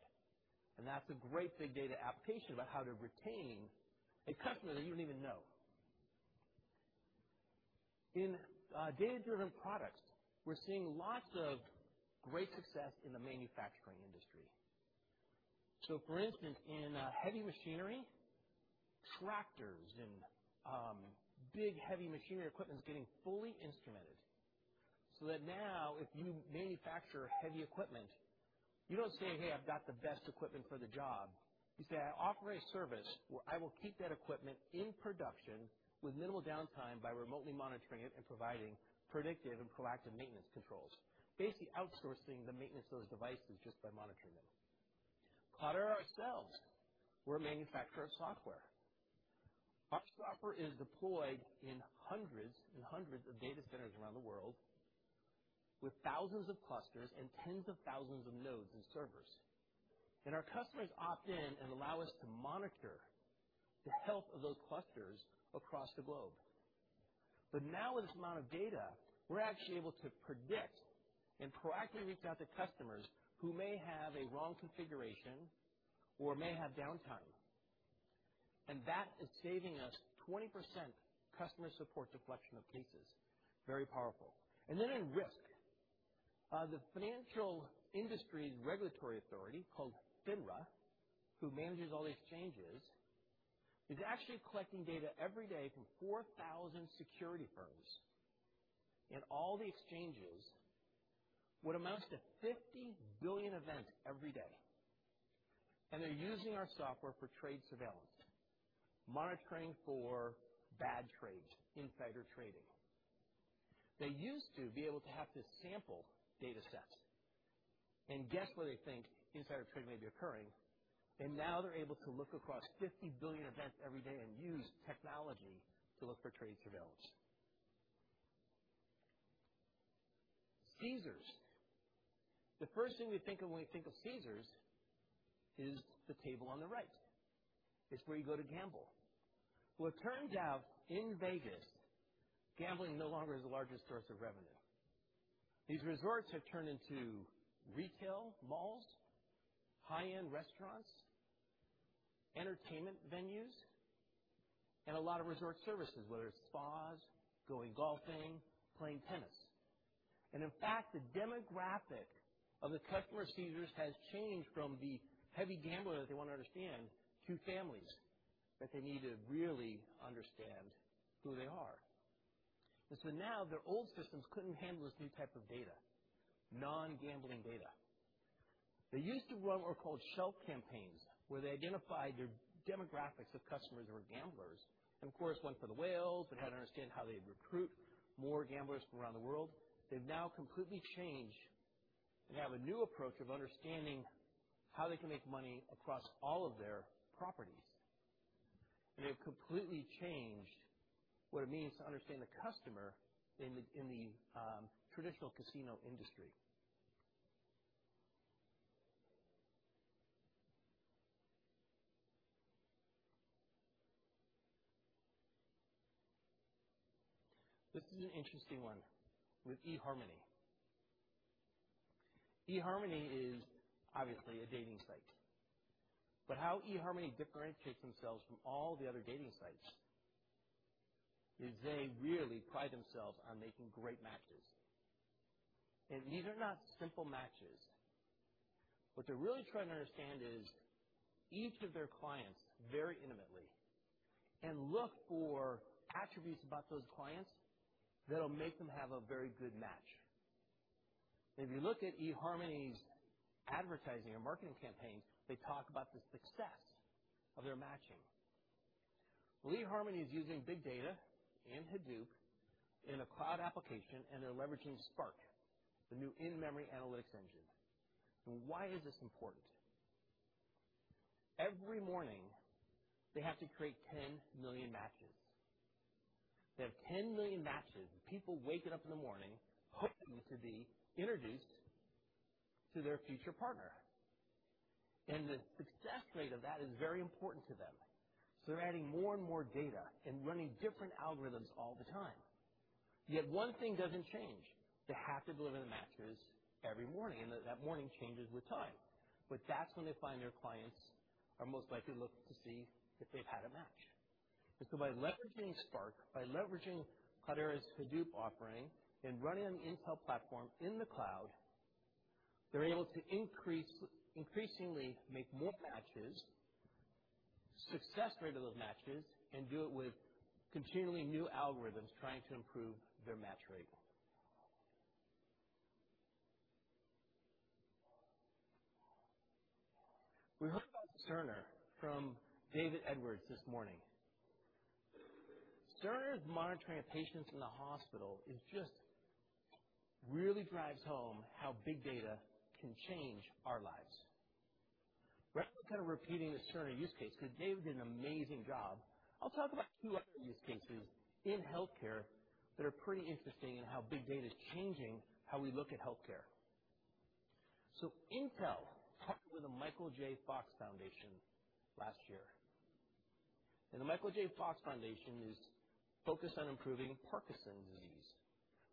That's a great big data application about how to retain a customer that you don't even know. In data-driven products, we're seeing lots of great success in the manufacturing industry. For instance, in heavy machinery, tractors, and big heavy machinery equipment is getting fully instrumented, so that now if you manufacture heavy equipment, you don't say, "Hey, I've got the best equipment for the job." You say, "I offer a service where I will keep that equipment in production with minimal downtime by remotely monitoring it and providing predictive and proactive maintenance controls." Basically outsourcing the maintenance of those devices just by monitoring them. Cloudera ourselves, we're a manufacturer of software. Our software is deployed in hundreds and hundreds of data centers around the world with thousands of clusters and tens of thousands of nodes and servers. Our customers opt in and allow us to monitor the health of those clusters across the globe. Now with this amount of data, we're actually able to predict and proactively reach out to customers who may have a wrong configuration or may have downtime. That is saving us 20% customer support deflection of cases. Very powerful. In risk, the Financial Industry Regulatory Authority, called FINRA, who manages all the exchanges, is actually collecting data every day from 4,000 security firms. All the exchanges would amount to 50 billion events every day. They're using our software for trade surveillance, monitoring for bad trades, insider trading. They used to be able to have to sample data sets and guess where they think insider trading may be occurring. Now they're able to look across 50 billion events every day and use technology to look for trade surveillance. Caesars. The first thing we think of when we think of Caesars is the table on the right. It's where you go to gamble. Now it turns out, in Vegas, gambling no longer is the largest source of revenue. These resorts have turned into retail malls, high-end restaurants, entertainment venues, and a lot of resort services, whether it's spas, going golfing, playing tennis. In fact, the demographic of the customer of Caesars has changed from the heavy gambler that they want to understand to families, that they need to really understand who they are. Now their old systems couldn't handle this new type of data, non-gambling data. They used to run what were called shelf campaigns, where they identified their demographics of customers who were gamblers, and of course, went for the whales and had to understand how they'd recruit more gamblers from around the world. They've now completely changed. They have a new approach of understanding how they can make money across all of their properties. They have completely changed what it means to understand the customer in the traditional casino industry. This is an interesting one with eharmony. eharmony is obviously a dating site. How eharmony differentiates themselves from all the other dating sites is they really pride themselves on making great matches. These are not simple matches. What they're really trying to understand is each of their clients very intimately and look for attributes about those clients that'll make them have a very good match. If you look at eharmony's advertising or marketing campaigns, they talk about the success of their matching. eharmony is using big data and Hadoop in a cloud application, and they're leveraging Spark, the new in-memory analytics engine. Why is this important? Every morning, they have to create 10 million matches. They have 10 million matches of people waking up in the morning hoping to be introduced to their future partner. The success rate of that is very important to them. They're adding more and more data and running different algorithms all the time. One thing doesn't change. They have to deliver the matches every morning, and that morning changes with time. That's when they find their clients are most likely look to see if they've had a match. By leveraging Spark, by leveraging Cloudera's Hadoop offering and running on Intel platform in the cloud, they're able to increasingly make more matches, success rate of those matches, and do it with continually new algorithms trying to improve their match rate. We heard about Cerner from David Edwards this morning. Cerner's monitoring of patients in the hospital just really drives home how big data can change our lives. Rather than kind of repeating the Cerner use case, because David did an amazing job, I'll talk about two other use cases in healthcare that are pretty interesting in how big data is changing how we look at healthcare. Intel partnered with The Michael J. Fox Foundation last year. The Michael J. Fox Foundation is focused on improving Parkinson's disease,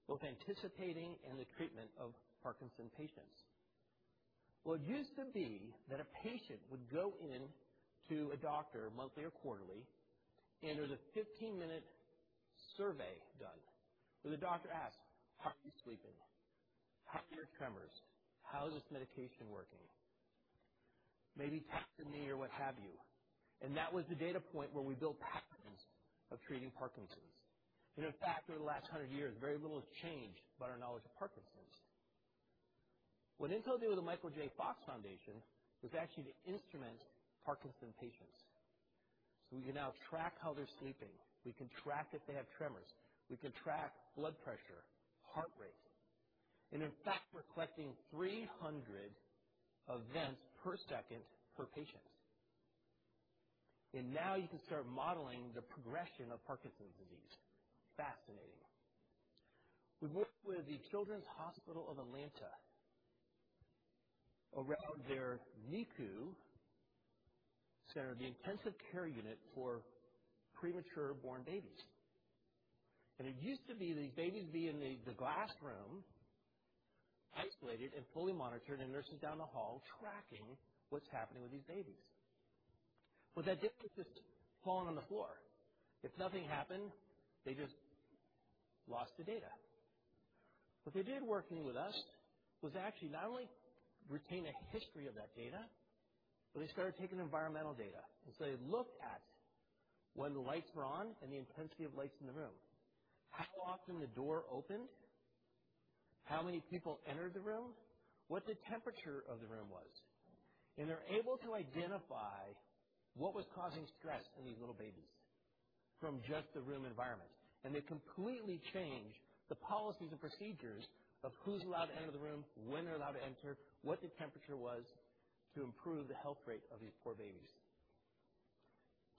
both anticipating and the treatment of Parkinson's patients. It used to be that a patient would go in to a doctor monthly or quarterly, and there was a 15-minute survey done, where the doctor asked, "How are you sleeping? How are your tremors? How is this medication working?" Maybe testimony or what have you. That was the data point where we built patterns of treating Parkinson's. In fact, over the last 100 years, very little has changed about our knowledge of Parkinson's. What Intel did with The Michael J. Fox Foundation was actually to instrument Parkinson's patients, so we can now track how they're sleeping, we can track if they have tremors, we can track blood pressure, heart rate, and in fact, we're collecting 300 events per second per patient. Now you can start modeling the progression of Parkinson's disease. Fascinating. We worked with Children's Healthcare of Atlanta around their NICU center, the intensive care unit for premature born babies. It used to be these babies be in the glass room, isolated and fully monitored, and nurses down the hall tracking what's happening with these babies. That data was just falling on the floor. If nothing happened, they just lost the data. What they did working with us was actually not only retain a history of that data, but they started taking environmental data. They looked at when the lights were on and the intensity of lights in the room, how often the door opened, how many people entered the room, what the temperature of the room was, and they're able to identify what was causing stress in these little babies from just the room environment. They completely changed the policies and procedures of who's allowed to enter the room, when they're allowed to enter, what the temperature was, to improve the health rate of these poor babies.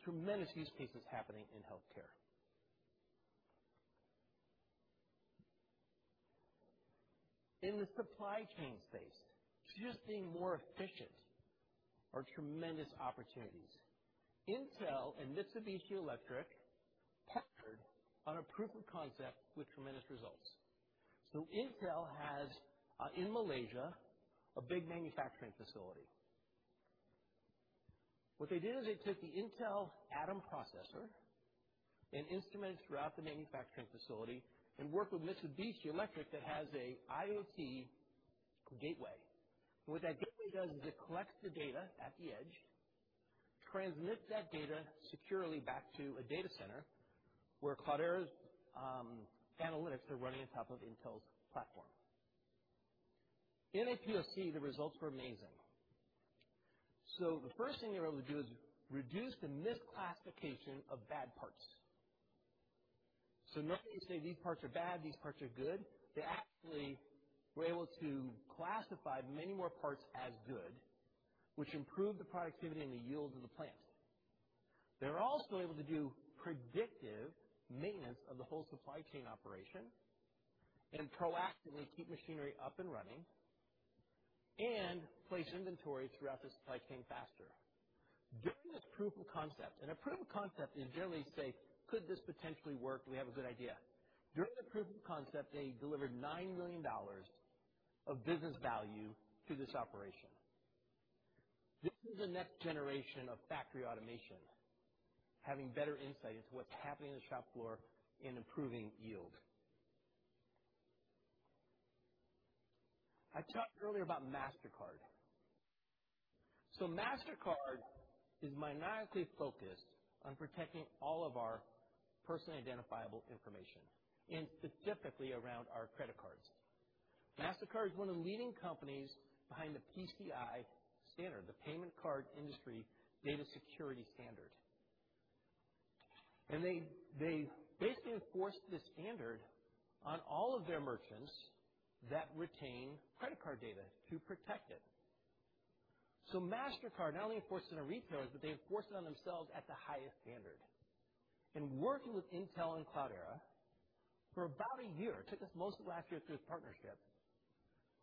Tremendous use cases happening in healthcare. In the supply chain space, just being more efficient are tremendous opportunities. Intel and Mitsubishi Electric partnered on a proof of concept with tremendous results. Intel has, in Malaysia, a big manufacturing facility. What they did is they took the Intel Atom processor and instruments throughout the manufacturing facility and worked with Mitsubishi Electric that has an IoT gateway. What that gateway does is it collects the data at the edge, transmits that data securely back to a data center where Cloudera's analytics are running on top of Intel's platform. In a POC, the results were amazing. The first thing they were able to do is reduce the misclassification of bad parts. Not only say, "These parts are bad, these parts are good," they actually were able to classify many more parts as good, which improved the productivity and the yield of the plant. They were also able to do predictive maintenance of the whole supply chain operation and proactively keep machinery up and running and place inventory throughout the supply chain faster. During this proof of concept, a proof of concept is generally say, "Could this potentially work? We have a good idea." During the proof of concept, they delivered $9 million of business value to this operation. This is the next generation of factory automation, having better insight into what's happening on the shop floor and improving yield. I talked earlier about Mastercard. Mastercard is maniacally focused on protecting all of our personally identifiable information, and specifically around our credit cards. Mastercard is one of the leading companies behind the PCI standard, the Payment Card Industry data security standard. They basically enforced the standard on all of their merchants that retain credit card data to protect it. Mastercard not only enforced it on retailers, but they enforced it on themselves at the highest standard. In working with Intel and Cloudera for about a year, took us most of last year through this partnership,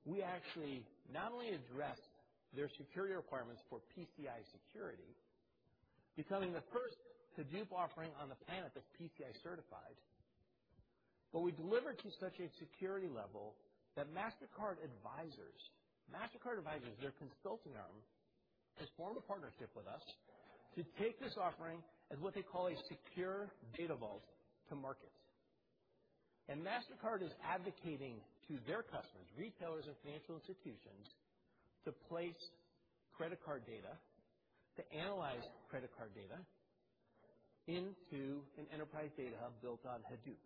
we actually not only addressed their security requirements for PCI security, becoming the first Hadoop offering on the planet that's PCI certified, but we delivered to such a security level that Mastercard Advisors, their consulting arm, has formed a partnership with us to take this offering as what they call a secure data vault to market. Mastercard is advocating to their customers, retailers, and financial institutions to place credit card data, to analyze credit card data into an enterprise data hub built on Hadoop.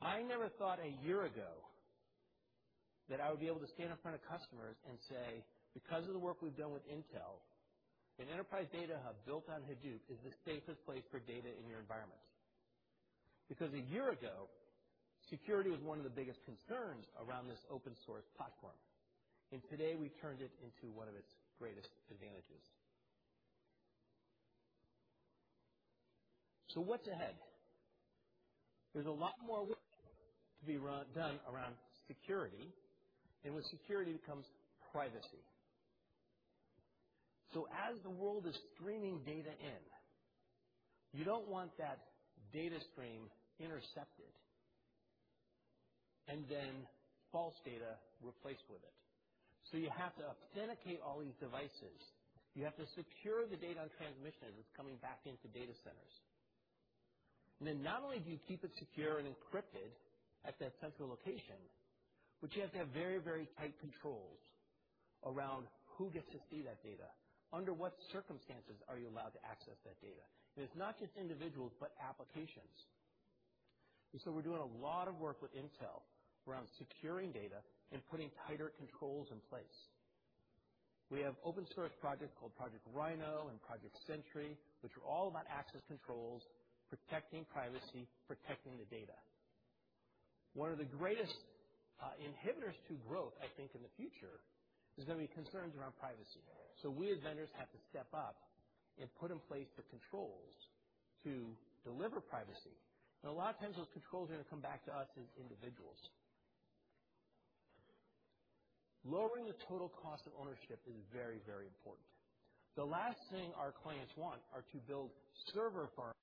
I never thought a year ago that I would be able to stand in front of customers and say, "Because of the work we've done with Intel, an enterprise data hub built on Hadoop is the safest place for data in your environment." A year ago, security was one of the biggest concerns around this open source platform. Today, we turned it into one of its greatest advantages. What's ahead? There's a lot more work to be done around security, and with security comes privacy. As the world is streaming data in, you don't want that data stream intercepted and then false data replaced with it. You have to authenticate all these devices. You have to secure the data on transmission as it's coming back into data centers. Not only do you keep it secure and encrypted at that central location, but you have to have very tight controls around who gets to see that data. Under what circumstances are you allowed to access that data? It's not just individuals, but applications. We're doing a lot of work with Intel around securing data and putting tighter controls in place. We have open source project called Project Rhino and Project Sentry, which are all about access controls, protecting privacy, protecting the data. One of the greatest inhibitors to growth, I think, in the future is going to be concerns around privacy. We as vendors have to step up and put in place the controls to deliver privacy. A lot of times, those controls are going to come back to us as individuals. Lowering the total cost of ownership is very important. The last thing our clients want are to build server farms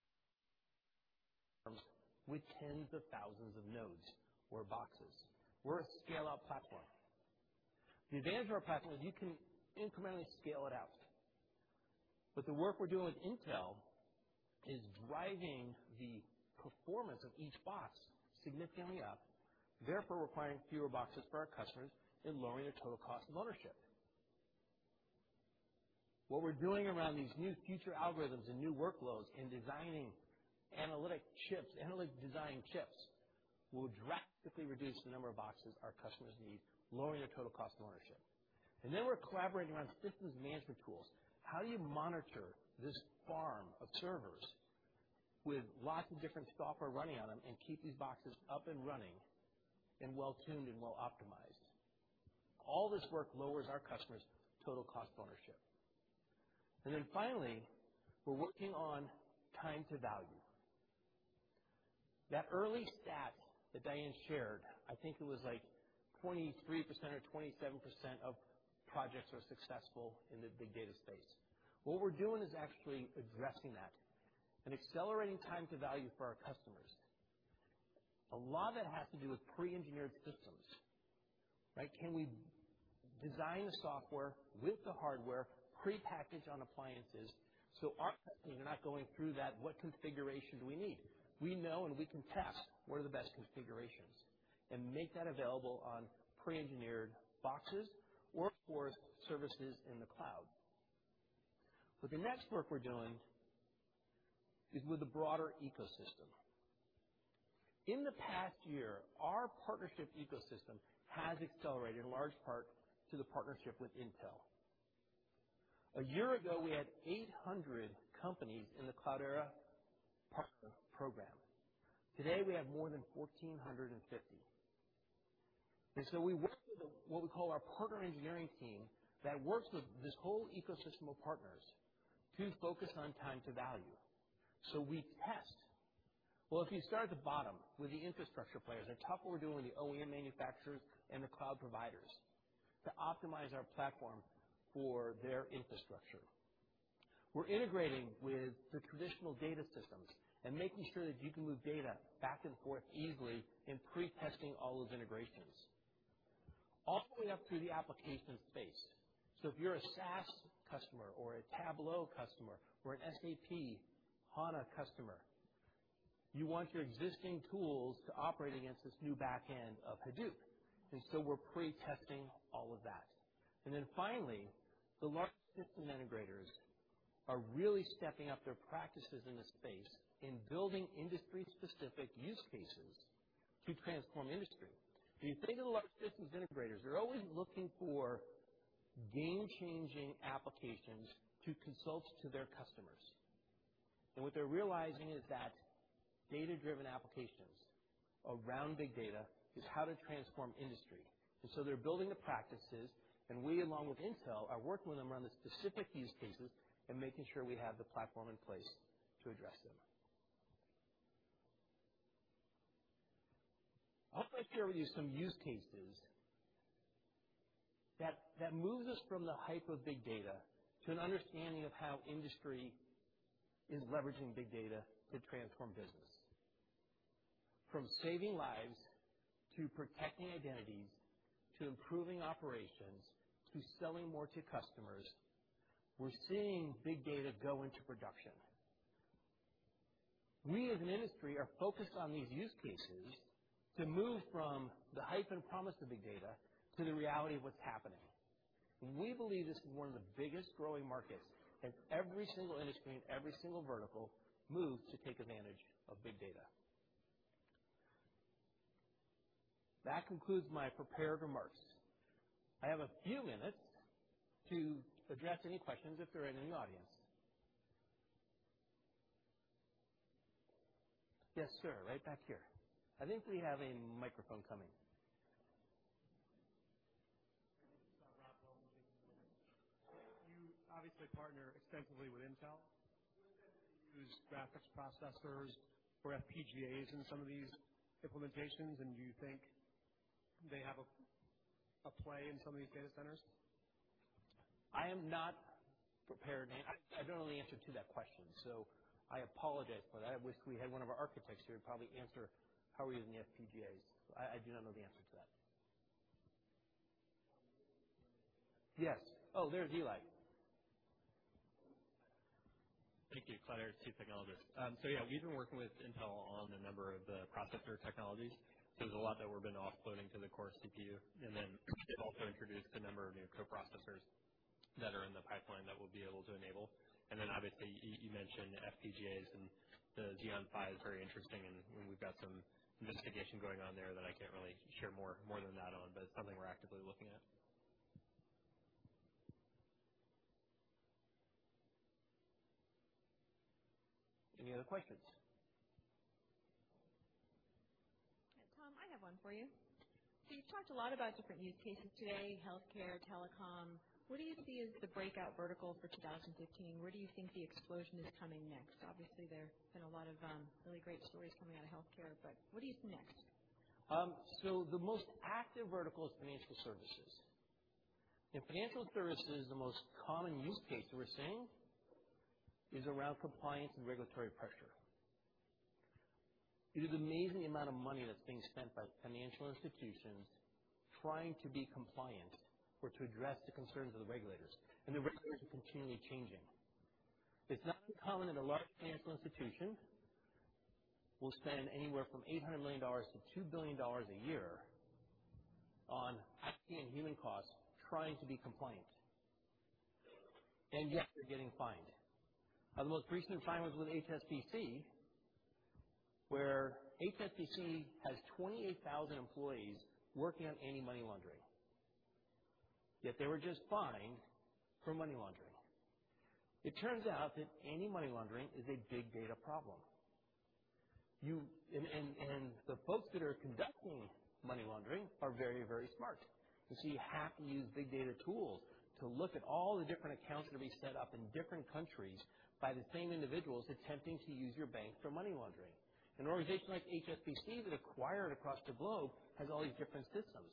with tens of thousands of nodes or boxes. We're a scale-out platform. The advantage of our platform is you can incrementally scale it out. The work we're doing with Intel is driving the performance of each box significantly up, therefore requiring fewer boxes for our customers and lowering their total cost of ownership. What we're doing around these new future algorithms and new workloads in designing analytic chips, analytic design chips, will drastically reduce the number of boxes our customers need, lowering their total cost of ownership. We're collaborating on systems management tools. How do you monitor this farm of servers with lots of different software running on them and keep these boxes up and running and well-tuned and well-optimized? All this work lowers our customers' total cost of ownership. Finally, we're working on time to value. That early stat that Diane shared, I think it was like 23% or 27% of projects are successful in the big data space. What we're doing is actually addressing that and accelerating time to value for our customers. A lot of that has to do with pre-engineered systems, right? Can we design the software with the hardware, prepackaged on appliances, so our customers are not going through that, what configuration do we need? We know and we can test what are the best configurations and make that available on pre-engineered boxes or for services in the cloud. The next work we're doing is with the broader ecosystem. In the past year, our partnership ecosystem has accelerated in large part to the partnership with Intel. A year ago, we had 800 companies in the Cloudera Partner Program. Today, we have more than 1,450. We work with what we call our partner engineering team that works with this whole ecosystem of partners to focus on time to value. We test. If you start at the bottom with the infrastructure players and talk what we're doing with the OEM manufacturers and the cloud providers to optimize our platform for their infrastructure. We're integrating with the traditional data systems and making sure that you can move data back and forth easily in pre-testing all those integrations, all the way up through the application space. If you're a SaaS customer or a Tableau customer or an SAP HANA customer, you want your existing tools to operate against this new back end of Hadoop. We're pre-testing all of that. Finally, the large system integrators are really stepping up their practices in the space in building industry-specific use cases to transform industry. If you think of the large systems integrators, they're always looking for game-changing applications to consult to their customers. What they're realizing is that data-driven applications around big data is how to transform industry. They're building the practices, and we, along with Intel, are working with them around the specific use cases and making sure we have the platform in place to address them. I want to share with you some use cases that moves us from the hype of big data to an understanding of how industry is leveraging big data to transform business. From saving lives, to protecting identities, to improving operations, to selling more to customers. We're seeing big data go into production. We, as an industry, are focused on these use cases to move from the hype and promise of big data to the reality of what's happening. We believe this is one of the biggest growing markets, and every single industry and every single vertical moves to take advantage of big data. That concludes my prepared remarks. I have a few minutes to address any questions if there are any in the audience. Yes, sir. Right back here. I think we have a microphone coming. You obviously partner extensively with Intel, whose graphics processors or FPGA in some of these implementations, and do you think they have a play in some of these data centers? I am not prepared. I don't know the answer to that question, I apologize, but I wish we had one of our architects here to probably answer how we're using the FPGA. I do not know the answer to that. Yes. Oh, there's Eli. Thank you. Cloudera's Chief Technologist. Yeah, we've been working with Intel on a number of the processor technologies. There's a lot that we've been offloading to the core CPU, they've also introduced a number of new co-processors that are in the pipeline that we'll be able to enable. You mentioned FPGA, the Xeon Phi is very interesting, we've got some investigation going on there that I can't really share more than that on. It's something we're actively looking at. Any other questions? Tom, I have one for you. You've talked a lot about different use cases today, healthcare, telecom. What do you see as the breakout vertical for 2015? Where do you think the explosion is coming next? Obviously, there have been a lot of really great stories coming out of healthcare, what do you see next? The most active vertical is financial services. In financial services, the most common use case that we're seeing is around compliance and regulatory pressure. It is amazing the amount of money that's being spent by financial institutions trying to be compliant or to address the concerns of the regulators, and the regulators are continually changing. It's not uncommon that a large financial institution will spend anywhere from $800 million to $2 billion a year on IT and human costs trying to be compliant, and yet they're getting fined. The most recent fine was with HSBC, where HSBC has 28,000 employees working on anti-money laundering, yet they were just fined for money laundering. It turns out that anti-money laundering is a big data problem. The folks that are conducting money laundering are very, very smart. You have to use big data tools to look at all the different accounts that are being set up in different countries by the same individuals attempting to use your bank for money laundering. An organization like HSBC that acquired across the globe has all these different systems.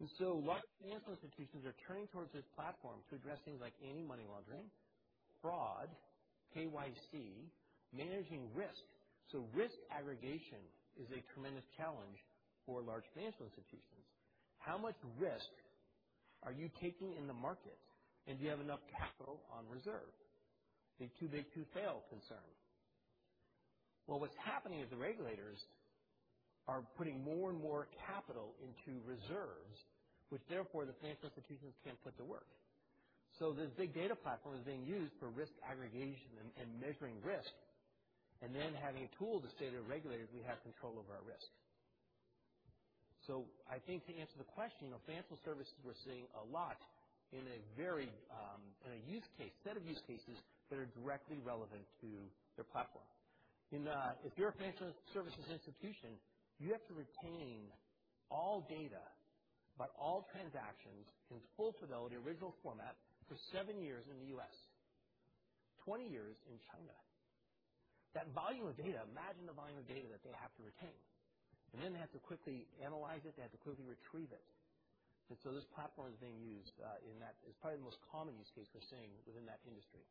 Large financial institutions are turning towards this platform to address things like anti-money laundering, fraud, KYC, managing risk. Risk aggregation is a tremendous challenge for large financial institutions. How much risk are you taking in the market, and do you have enough capital on reserve? The too big to fail concern. What's happening is the regulators are putting more and more capital into reserves, which therefore the financial institutions can't put to work. This big data platform is being used for risk aggregation and measuring risk, and then having a tool to say to the regulators, "We have control over our risk." I think to answer the question, financial services we're seeing a lot in a set of use cases that are directly relevant to their platform. If you're a financial services institution, you have to retain all data about all transactions in full fidelity original format for seven years in the U.S., 20 years in China. That volume of data, imagine the volume of data that they have to retain, and then they have to quickly analyze it, they have to quickly retrieve it. This platform is being used in that. It's probably the most common use case we're seeing within that industry.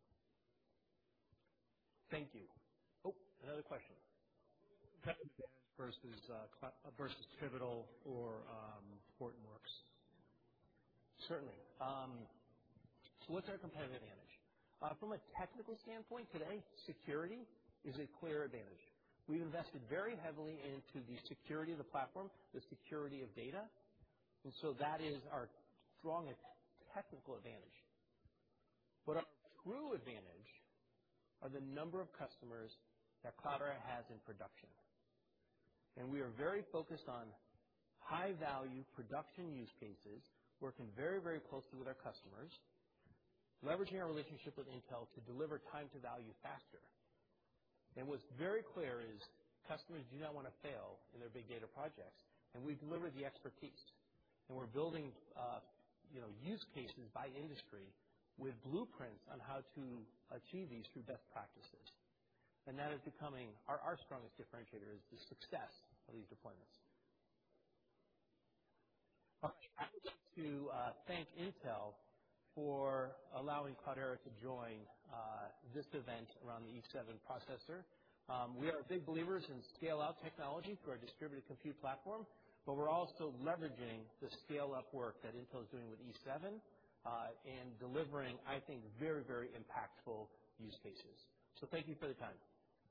Thank you. Oh, another question. Competitive advantage versus Pivotal or Hortonworks. Certainly. What's our competitive advantage? From a technical standpoint today, security is a clear advantage. We've invested very heavily into the security of the platform, the security of data, that is our strongest technical advantage. Our true advantage are the number of customers that Cloudera has in production. We are very focused on high-value production use cases, working very, very closely with our customers, leveraging our relationship with Intel to deliver time to value faster. What's very clear is customers do not want to fail in their big data projects. We deliver the expertise. We're building use cases by industry with blueprints on how to achieve these through best practices. Our strongest differentiator is the success of these deployments. All right. I would like to thank Intel for allowing Cloudera to join this event around the E7 processor. We are big believers in scale-out technology through our distributed compute platform. We're also leveraging the scale-up work that Intel is doing with E7, delivering, I think, very, very impactful use cases. Thank you for the time.